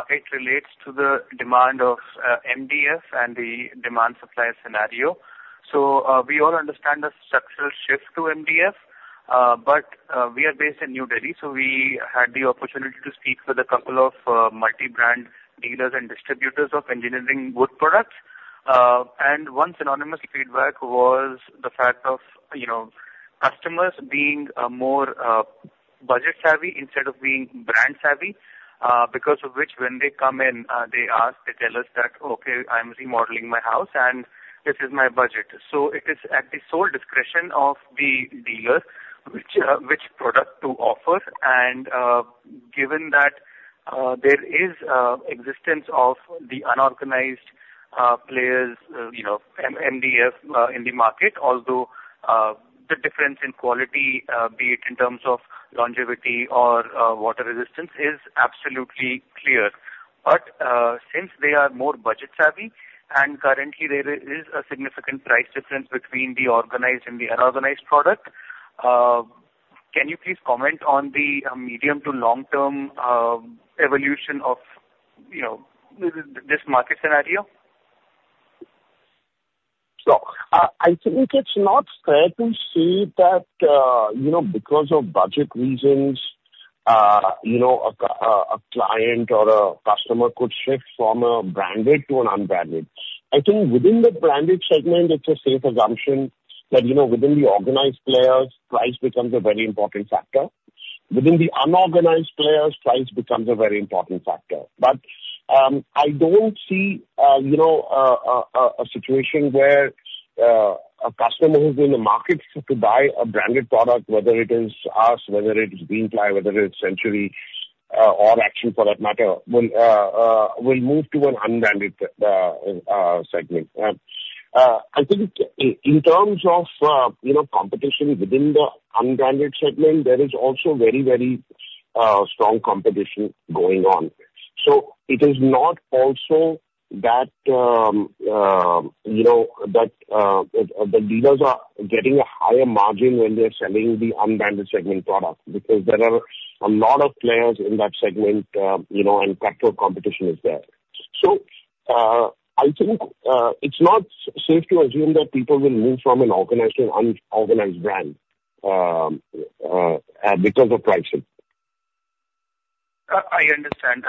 It relates to the demand of MDF and the demand-supply scenario. So we all understand the structural shift to MDF. But we are based in New Delhi. So we had the opportunity to speak with a couple of multi-brand dealers and distributors of engineering wood products. And one synonymous feedback was the fact of customers being more budget-savvy instead of being brand-savvy, because of which when they come in, they ask, they tell us that, "Okay, I'm remodeling my house, and this is my budget." So it is at the sole discretion of the dealer which product to offer. And given that there is existence of the unorganized players, MDF in the market, although the difference in quality, be it in terms of longevity or water resistance, is absolutely clear. But since they are more budget-savvy, and currently, there is a significant price difference between the organized and the unorganized product, can you please comment on the medium to long-term evolution of this market scenario? So I think it's not fair to say that because of budget reasons, a client or a customer could shift from a branded to an unbranded. I think within the branded segment, it's a safe assumption that within the organized players, price becomes a very important factor. Within the unorganized players, price becomes a very important factor. But I don't see a situation where a customer who's in the market to buy a branded product, whether it is us, whether it is Greenply, whether it's Century, or Action for that matter, will move to an unbranded segment. I think in terms of competition within the unbranded segment, there is also very, very strong competition going on. So it is not also that the dealers are getting a higher margin when they're selling the unbranded segment product because there are a lot of players in that segment, and cutthroat competition is there. So I think it's not safe to assume that people will move from an organized to an unorganized brand because of pricing. I understand.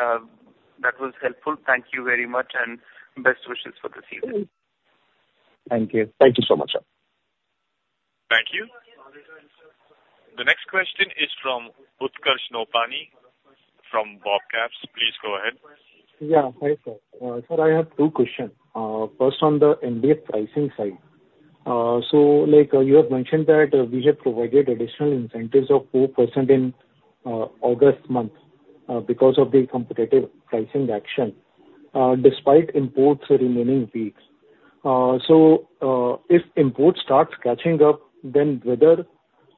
That was helpful. Thank you very much. And best wishes for the season. Thank you. Thank you so much, sir. Thank you. The next question is from Utkarsh Nopany from BOBCAPS. Please go ahead. Yeah. Hi, sir. Sir, I have two questions. First, on the MDF pricing side. So you have mentioned that we had provided additional incentives of 4% in August month because of the competitive pricing action despite imports remaining weak. So if imports start catching up, then whether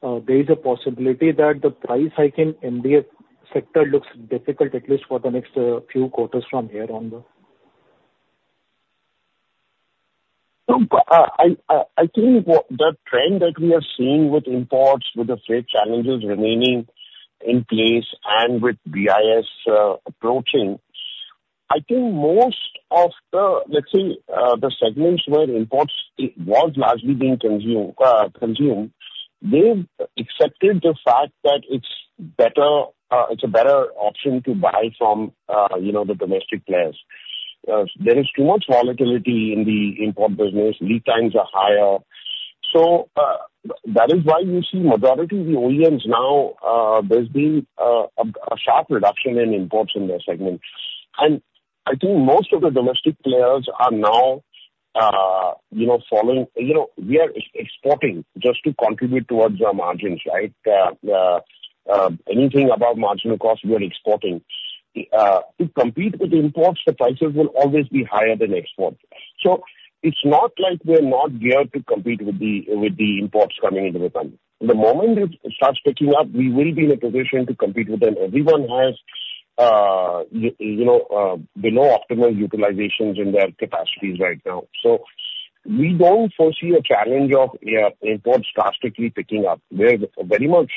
there is a possibility that the price hike in MDF sector looks difficult, at least for the next few quarters from here onward? I think the trend that we are seeing with imports, with the freight challenges remaining in place, and with BIS approaching. I think most of the, let's say, the segments where imports was largely being consumed, they've accepted the fact that it's a better option to buy from the domestic players. There is too much volatility in the import business. Lead times are higher. So that is why you see majority of the OEMs now, there's been a sharp reduction in imports in their segment. And I think most of the domestic players are now following we are exporting just to contribute towards our margins, right? Anything above marginal cost, we are exporting. To compete with imports, the prices will always be higher than exports. So it's not like we're not geared to compete with the imports coming into the country. The moment it starts picking up, we will be in a position to compete with them. Everyone has below optimal utilizations in their capacities right now. So we don't foresee a challenge of imports drastically picking up. We're very much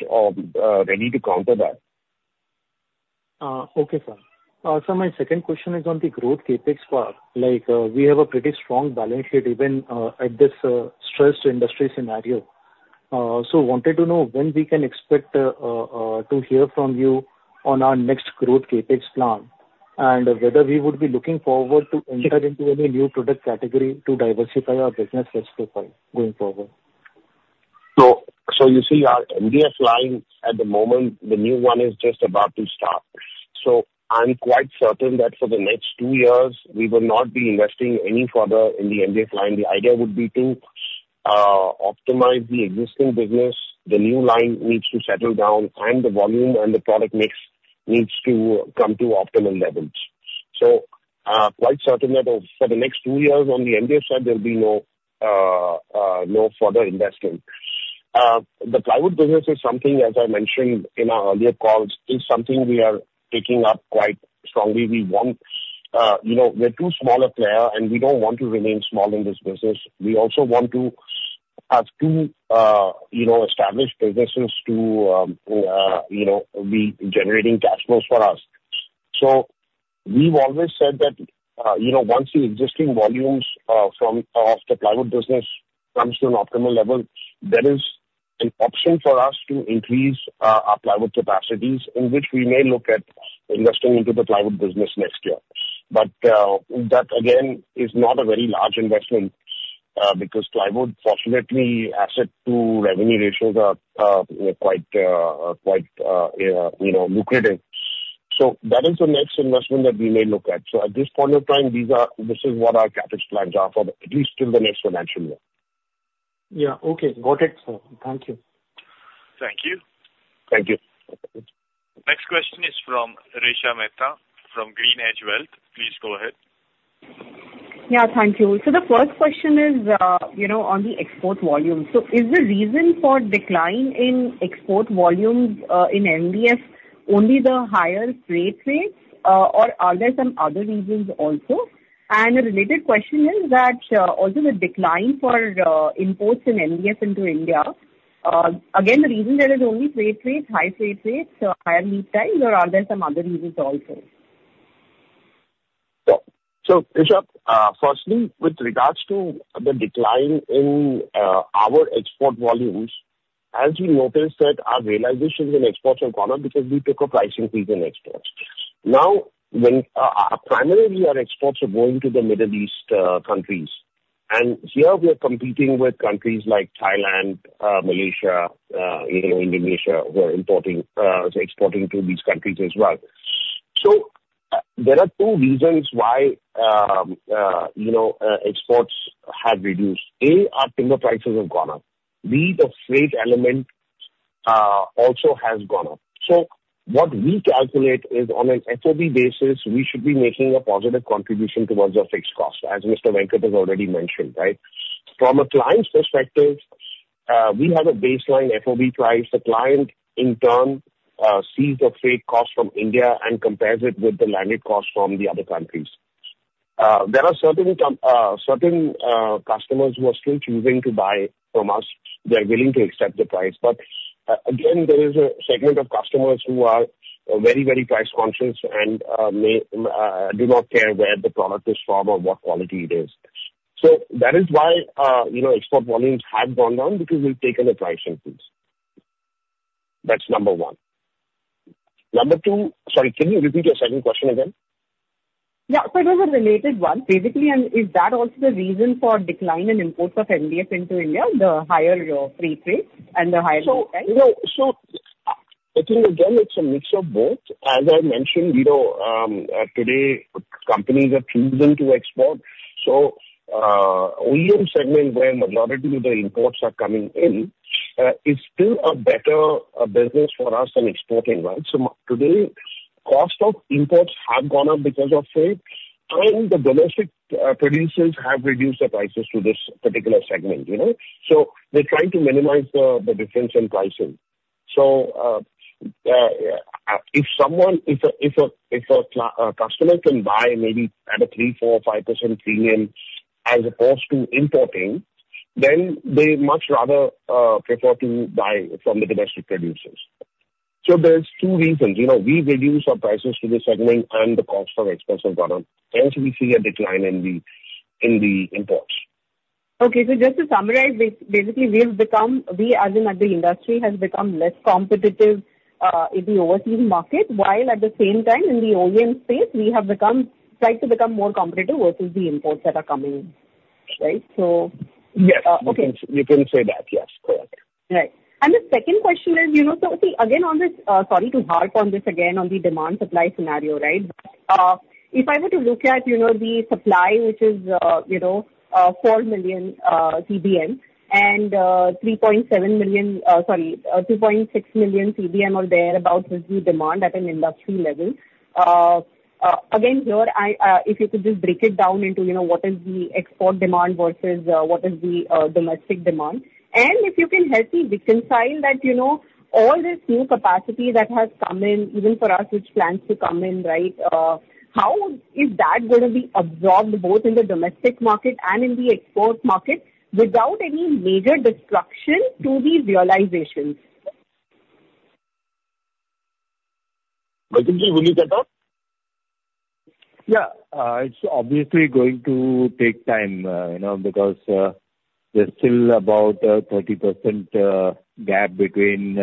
ready to counter that. Okay, sir. Sir, my second question is on the growth CapEx part. We have a pretty strong balance sheet even at this stressed industry scenario. So wanted to know when we can expect to hear from you on our next growth CapEx plan and whether we would be looking forward to enter into any new product category to diversify our business risk profile going forward. So you see, our MDF line at the moment, the new one is just about to start. I'm quite certain that for the next two years, we will not be investing any further in the MDF line. The idea would be to optimize the existing business. The new line needs to settle down, and the volume and the product mix needs to come to optimal levels. I'm quite certain that for the next two years on the MDF side, there will be no further investment. The plywood business is something, as I mentioned in our earlier calls, that we are picking up quite strongly. We're too small a player, and we don't want to remain small in this business. We also want to have two established businesses generating cash flows for us. So we've always said that once the existing volumes of the plywood business comes to an optimal level, there is an option for us to increase our plywood capacities in which we may look at investing into the plywood business next year. But that, again, is not a very large investment because plywood, fortunately, asset-to-revenue ratios are quite lucrative. So that is the next investment that we may look at. So at this point in time, this is what our CapEx plans are for at least till the next financial year. Yeah. Okay. Got it, sir. Thank you. Thank you. Thank you. Next question is from Resha Mehta from GreenEdge Wealth. Please go ahead. Yeah. Thank you. So the first question is on the export volumes. So is the reason for decline in export volumes in MDF only the higher freight rates, or are there some other reasons also? And a related question is that also the decline for imports in MDF into India, again, the reason there is only freight rates, high freight rates, higher lead times, or are there some other reasons also? So firstly, with regards to the decline in our export volumes, as we noticed that our realization in exports have gone up because we took a price increase in exports. Now, primarily, our exports are going to the Middle East countries. And here, we are competing with countries like Thailand, Malaysia, Indonesia, who are exporting to these countries as well. So there are two reasons why exports have reduced. A, our timber prices have gone up. B, the freight element also has gone up. So what we calculate is on an FOB basis, we should be making a positive contribution towards our fixed cost, as Mr. Venkatramani has already mentioned, right? From a client's perspective, we have a baseline FOB price. The client, in turn, sees the freight cost from India and compares it with the landed cost from the other countries. There are certain customers who are still choosing to buy from us. They're willing to accept the price. But again, there is a segment of customers who are very, very price conscious and do not care where the product is from or what quality it is. So that is why export volumes have gone down because we've taken a price increase. That's number one. Sorry, can you repeat your second question again? Yeah. So it was a related one. Basically, is that also the reason for decline in imports of MDF into India, the higher freight rates and the higher freight price? I think, again, it's a mix of both. As I mentioned, today, companies are choosing to export. The OEM segment, where majority of the imports are coming in, is still a better business for us than exporting, right? Today, cost of imports have gone up because of freight, and the domestic producers have reduced the prices to this particular segment. They're trying to minimize the difference in pricing. If a customer can buy maybe at a 3%, 4%, or 5% premium as opposed to importing, then they much rather prefer to buy from the domestic producers. There are two reasons. We've reduced our prices to this segment, and the cost of exports have gone up. Hence, we see a decline in the imports. Okay. So just to summarize, basically, we as an industry have become less competitive in the overseas market, while at the same time, in the OEM space, we have tried to become more competitive versus the imports that are coming in, right? So. Yes. You can say that. Yes. Correct. Right. And the second question is, so again, sorry to harp on this again on the demand-supply scenario, right? If I were to look at the supply, which is 4 million CBM and 3.7 million sorry, 2.6 million CBM or thereabouts is the demand at an industry level. Again, here, if you could just break it down into what is the export demand versus what is the domestic demand. And if you can help me reconcile that all this new capacity that has come in, even for us which plans to come in, right, how is that going to be absorbed both in the domestic market and in the export market without any major destruction to the realizations? Excuse me. Will you cut off? Yeah. It's obviously going to take time because there's still about a 30% gap between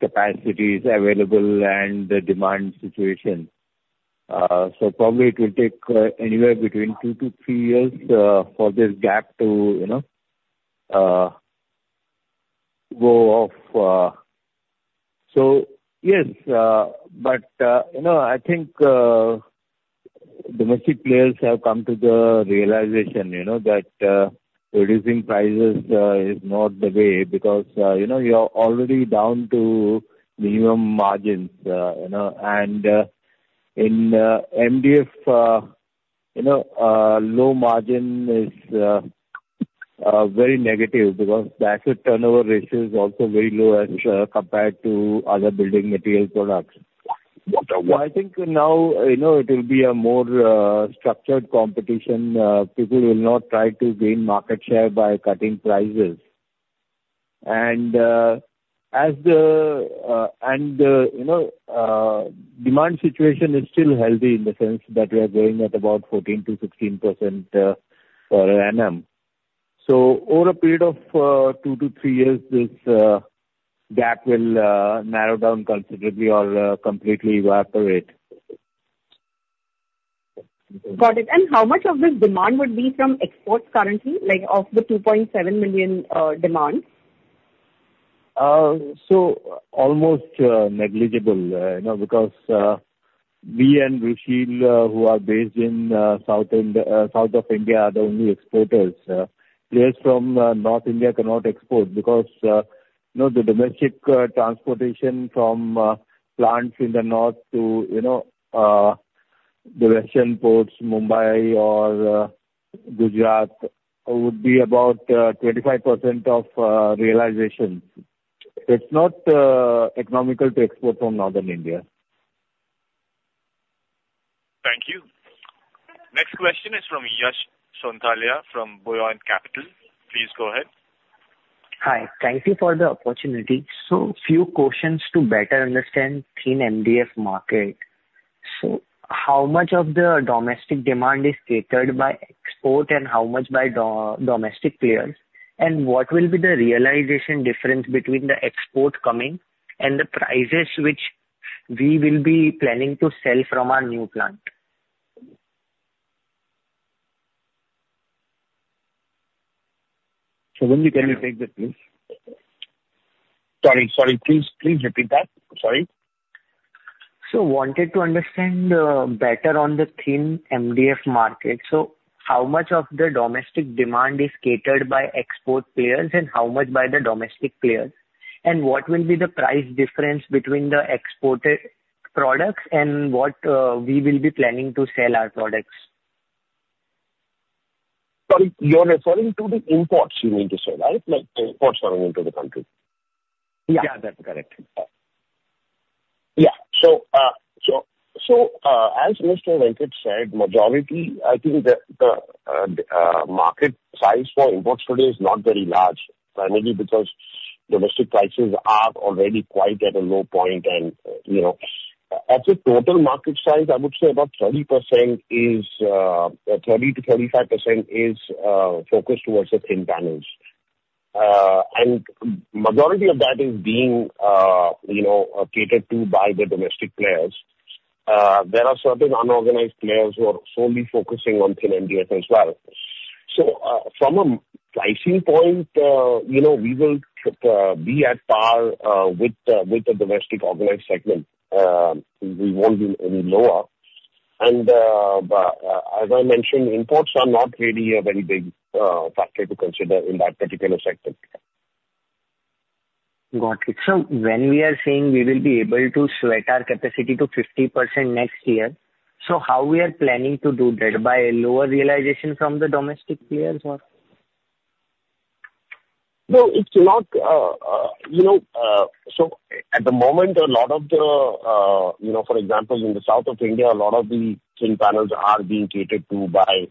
capacities available and the demand situation. So probably it will take anywhere between two to three years for this gap to go off. So yes. But I think domestic players have come to the realization that reducing prices is not the way because you're already down to minimum margins. And in MDF, low margin is very negative because the asset turnover ratio is also very low as compared to other building material products. So I think now it will be a more structured competition. People will not try to gain market share by cutting prices. And as the demand situation is still healthy in the sense that we are going at about 14% to 16% per annum. So over a period of two to three years, this gap will narrow down considerably or completely evaporate. Got it. And how much of this demand would be from exports currently of the 2.7 million demand? So almost negligible because me and Rushil, who are based in South India, are the only exporters. Players from North India cannot export because the domestic transportation from plants in the north to the western ports, Mumbai or Gujarat, would be about 25% of realization. So it's not economical to export from Northern India. Thank you. Next question is from Yash Sonthalia from Buoyant Capital. Please go ahead. Hi. Thank you for the opportunity. So a few questions to better understand the MDF market. So how much of the domestic demand is catered by export and how much by domestic players? And what will be the realization difference between the export coming and the prices which we will be planning to sell from our new plant? So, when can you take the floor, please? Sorry. Please repeat that. Sorry. So wanted to understand better on the thin MDF market. So how much of the domestic demand is catered by export players and how much by the domestic players? And what will be the price difference between the exported products and what we will be planning to sell our products? Sorry. You're referring to the imports you mean to say, right? The imports coming into the country? Yeah. That's correct. Yeah. So as Mr. Venkat said, majority, I think the market size for imports today is not very large, primarily because domestic prices are already quite at a low point. And of the total market size, I would say about 30% to 35% is focused towards the thin panels. And majority of that is being catered to by the domestic players. There are certain unorganized players who are solely focusing on thin MDF as well. So from a pricing point, we will be at par with the domestic organized segment. We won't be any lower. And as I mentioned, imports are not really a very big factor to consider in that particular segment. Got it. So when we are saying we will be able to sweat our capacity to 50% next year, so how we are planning to do that by a lower realization from the domestic players or? It's not so at the moment. A lot of the, for example, in the South India, a lot of the thin panels are being catered to by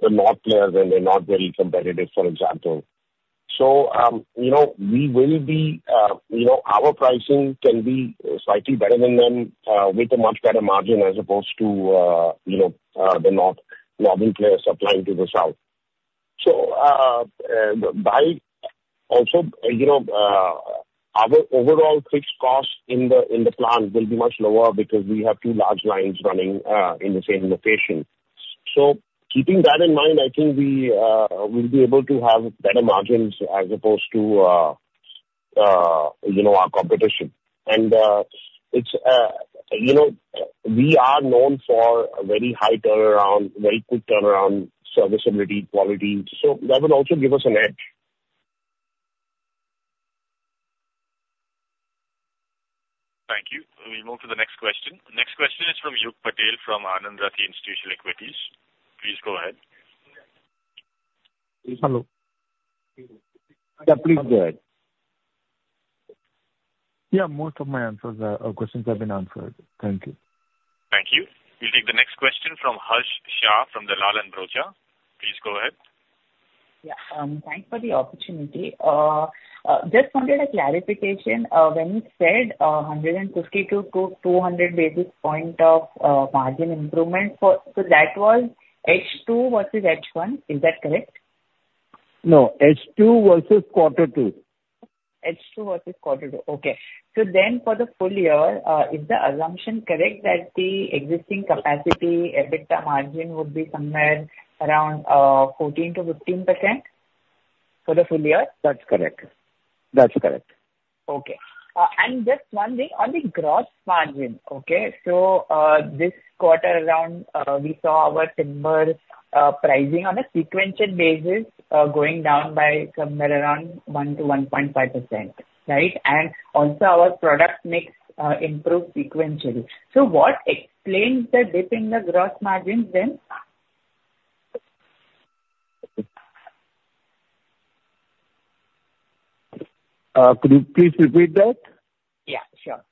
the North players when they're not very competitive, for example. So we will be our pricing can be slightly better than them with a much better margin as opposed to the Northern players supplying to the south. So by also, our overall fixed cost in the plant will be much lower because we have two large lines running in the same location. So keeping that in mind, I think we will be able to have better margins as opposed to our competition. And we are known for a very high turnaround, very quick turnaround, serviceability, quality. So that will also give us an edge. Thank you. We move to the next question. Next question is from Yug Patel from Anand Rathi Institutional Equities. Please go ahead. Hello. Yeah. Please go ahead. Yeah. Most of my questions have been answered. Thank you. Thank you. We'll take the next question from Harshh Shah from Dalal & Broacha. Please go ahead. Yeah. Thanks for the opportunity. Just wanted a clarification. When you said 150 to 200 basis points of margin improvement, so that was H2 versus H1. Is that correct? No. H2 versus Quarter 2. H2 versus Quarter 2. Okay. So then for the full year, is the assumption correct that the existing capacity EBITDA margin would be somewhere around 14% to 15% for the full year? That's correct. That's correct. Okay. And just one thing on the gross margin, okay? So this quarter, we saw our timber pricing on a sequential basis going down by somewhere around 1% to 1.5%, right? And also, our product mix improved sequentially. So what explains the dip in the gross margin then? Could you please repeat that? Yeah. Sure.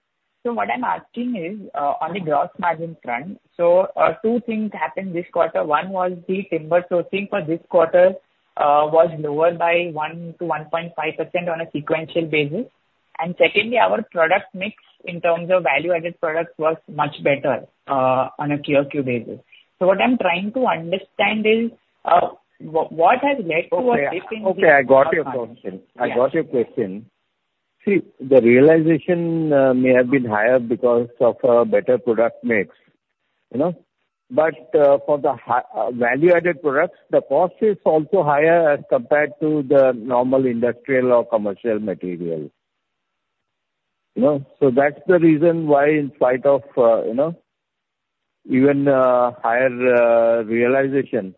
So what I'm asking is on the gross margin front, so two things happened this quarter. One was the timber sourcing for this quarter was lower by 1% to 1.5% on a sequential basis. And secondly, our product mix in terms of value-added products was much better on a QOQ basis. So what I'm trying to understand is what has led to a dip in the. Okay. I got your question. I got your question. See, the realization may have been higher because of a better product mix. But for the value-added products, the cost is also higher as compared to the normal industrial or commercial material. So that's the reason why, in spite of even higher realization,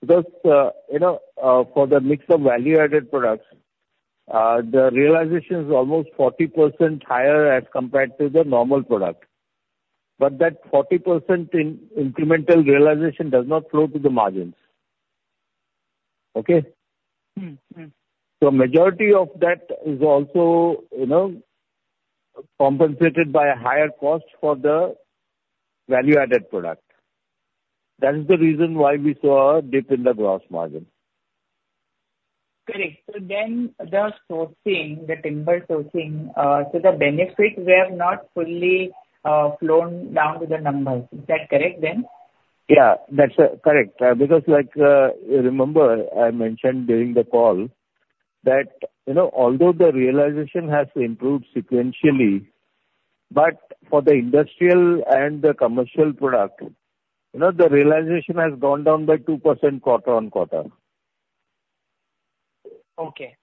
because for the mix of value-added products, the realization is almost 40% higher as compared to the normal product. But that 40% incremental realization does not flow to the margins, okay? So majority of that is also compensated by a higher cost for the value-added product. That is the reason why we saw a dip in the gross margin. Correct. So then the sourcing, the timber sourcing, so the benefits were not fully flowed down to the numbers. Is that correct then? Yeah. That's correct. Because remember, I mentioned during the call that although the realization has improved sequentially, but for the industrial and the commercial product, the realization has gone down by 2% quarter on quarter. Okay.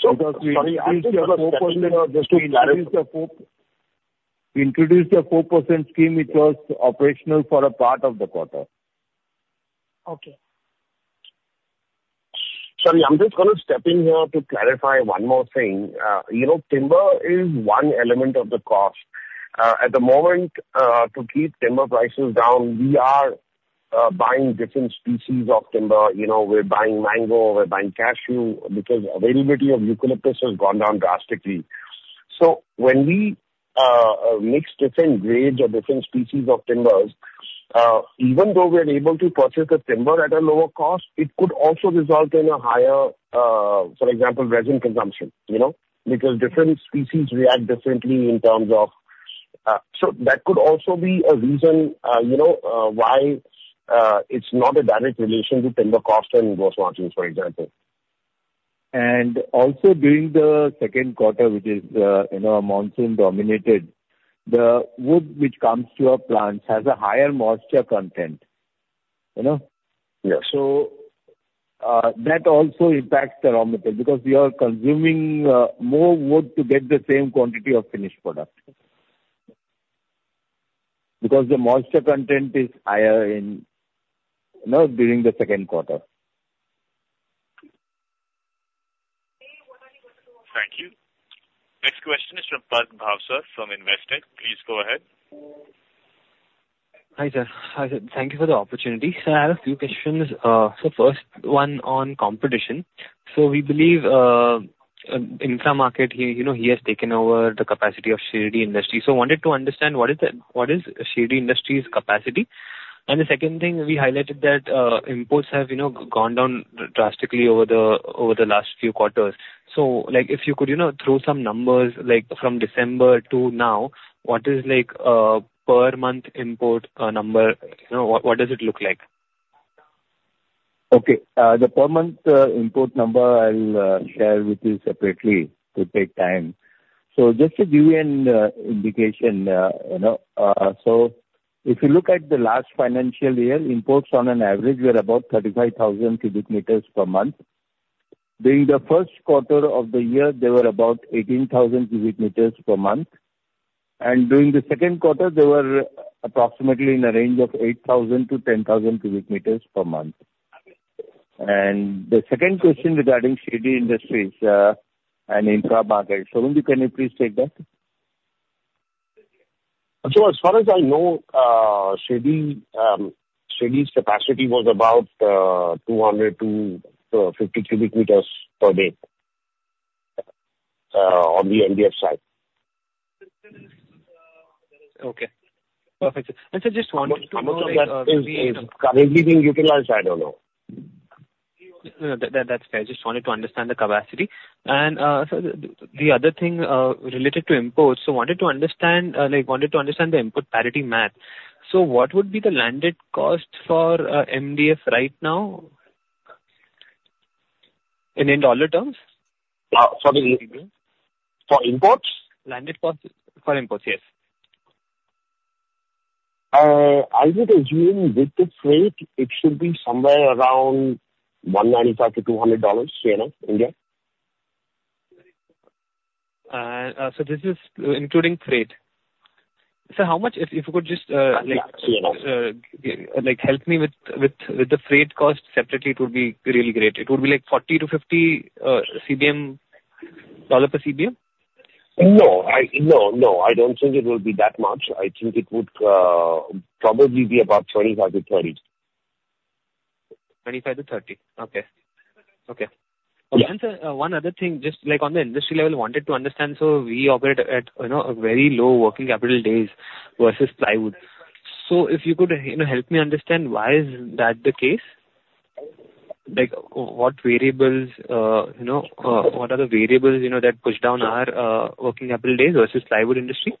Because we introduced the 4% scheme. Introduce the 4% scheme, it was operational for a part of the quarter. Okay. Sorry. I'm just going to step in here to clarify one more thing. Timber is one element of the cost. At the moment, to keep timber prices down, we are buying different species of timber. We're buying mango. We're buying cashew because availability of eucalyptus has gone down drastically. So when we mix different grades or different species of timbers, even though we're able to purchase the timber at a lower cost, it could also result in a higher, for example, resin consumption because different species react differently in terms of, so that could also be a reason why it's not a direct relation to timber cost and gross margins, for example. And also during the second quarter, which is monsoon-dominated, the wood which comes to our plants has a higher moisture content. So that also impacts the raw material because we are consuming more wood to get the same quantity of finished product because the moisture content is higher during the second quarter. Thank you. Next question is from Parth Bhavsar from Investec. Please go ahead. Hi, sir. Thank you for the opportunity. I have a few questions. So first one on competition. So we believe Infra.Market here has taken over the capacity of Shirdi Industries. So I wanted to understand what is Shirdi Industries' capacity. And the second thing, we highlighted that imports have gone down drastically over the last few quarters. So if you could throw some numbers from December to now, what is per month import number? What does it look like? Okay. The per month import number, I'll share with you separately to take time. So just to give you an indication, so if you look at the last financial year, imports on an average were about 35,000 cubic meters per month. During the first quarter of the year, they were about 18,000 cubic meters per month. And during the second quarter, they were approximately in a range of 8,000 to 10,000 cubic meters per month. And the second question regarding Shirdi Industries and Infra.Market, Shobhanji, can you please take that? So as far as I know, Shirdi's capacity was about 250 cubic meters per day on the MDF side. Okay. Perfect, and so just wanted to know. I'm not sure that it's currently being utilized. I don't know. That's fair. Just wanted to understand the capacity. And so the other thing related to imports, so wanted to understand the input parity math. So what would be the landed cost for MDF right now in dollar terms? Sorry. For imports? Landed cost for imports, yes. I would assume with the freight, it should be somewhere around $195 to $200 in India. So this is including freight. So how much if you could just help me with the freight cost separately, it would be really great. It would be like $40 to $50 per CBM? No. No. No. I don't think it will be that much. I think it would probably be about 25 to 30. 25 to 30. Okay. Okay. One other thing, just on the industry level, wanted to understand. So we operate at very low working capital days versus plywood. So if you could help me understand why is that the case? What are the variables that push down our working capital days versus plywood industry?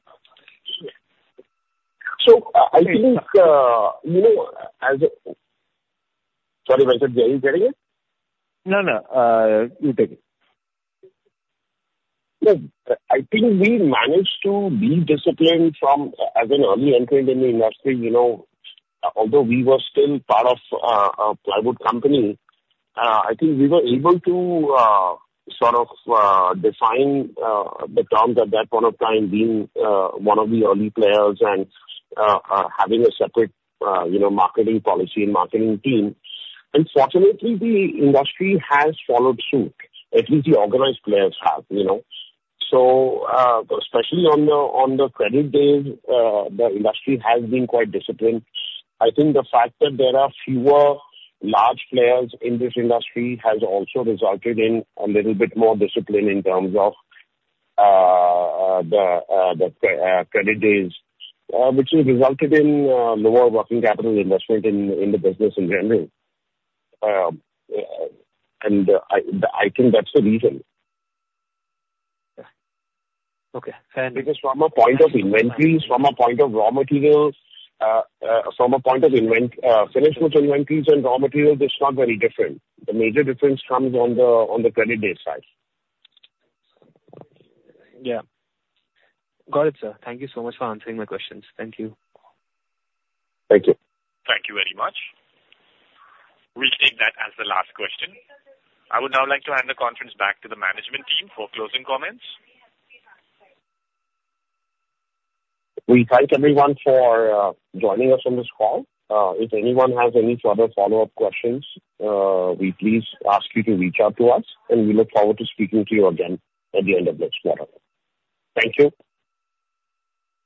So, I think. Sorry, was it Jay getting it? No, no. You take it. I think we managed to be disciplined as an early entry in the industry. Although we were still part of a plywood company, I think we were able to sort of define the terms at that point of time being one of the early players and having a separate marketing policy and marketing team, and fortunately, the industry has followed suit, at least the organized players have, so especially on the credit days, the industry has been quite disciplined. I think the fact that there are fewer large players in this industry has also resulted in a little bit more discipline in terms of the credit days, which has resulted in lower working capital investment in the business in general, and I think that's the reason. Okay. And. Because from a point of inventories, from a point of raw materials, from a point of finished goods inventories and raw materials, it's not very different. The major difference comes on the credit day side. Yeah. Got it, sir. Thank you so much for answering my questions. Thank you. Thank you. Thank you very much. We'll take that as the last question. I would now like to hand the conference back to the management team for closing comments. We thank everyone for joining us on this call. If anyone has any further follow-up questions, we please ask you to reach out to us, and we look forward to speaking to you again at the end of next quarter. Thank you.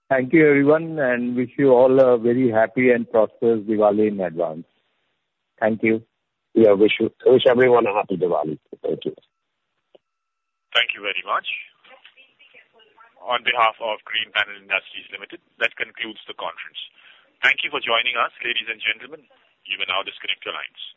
Thank you, everyone, and wish you all a very happy and prosperous Diwali in advance. Thank you. Yeah. Wish everyone a happy Diwali. Thank you. Thank you very much. On behalf of Greenpanel Industries Ltd, that concludes the conference. Thank you for joining us, ladies and gentlemen. You may now disconnect your lines.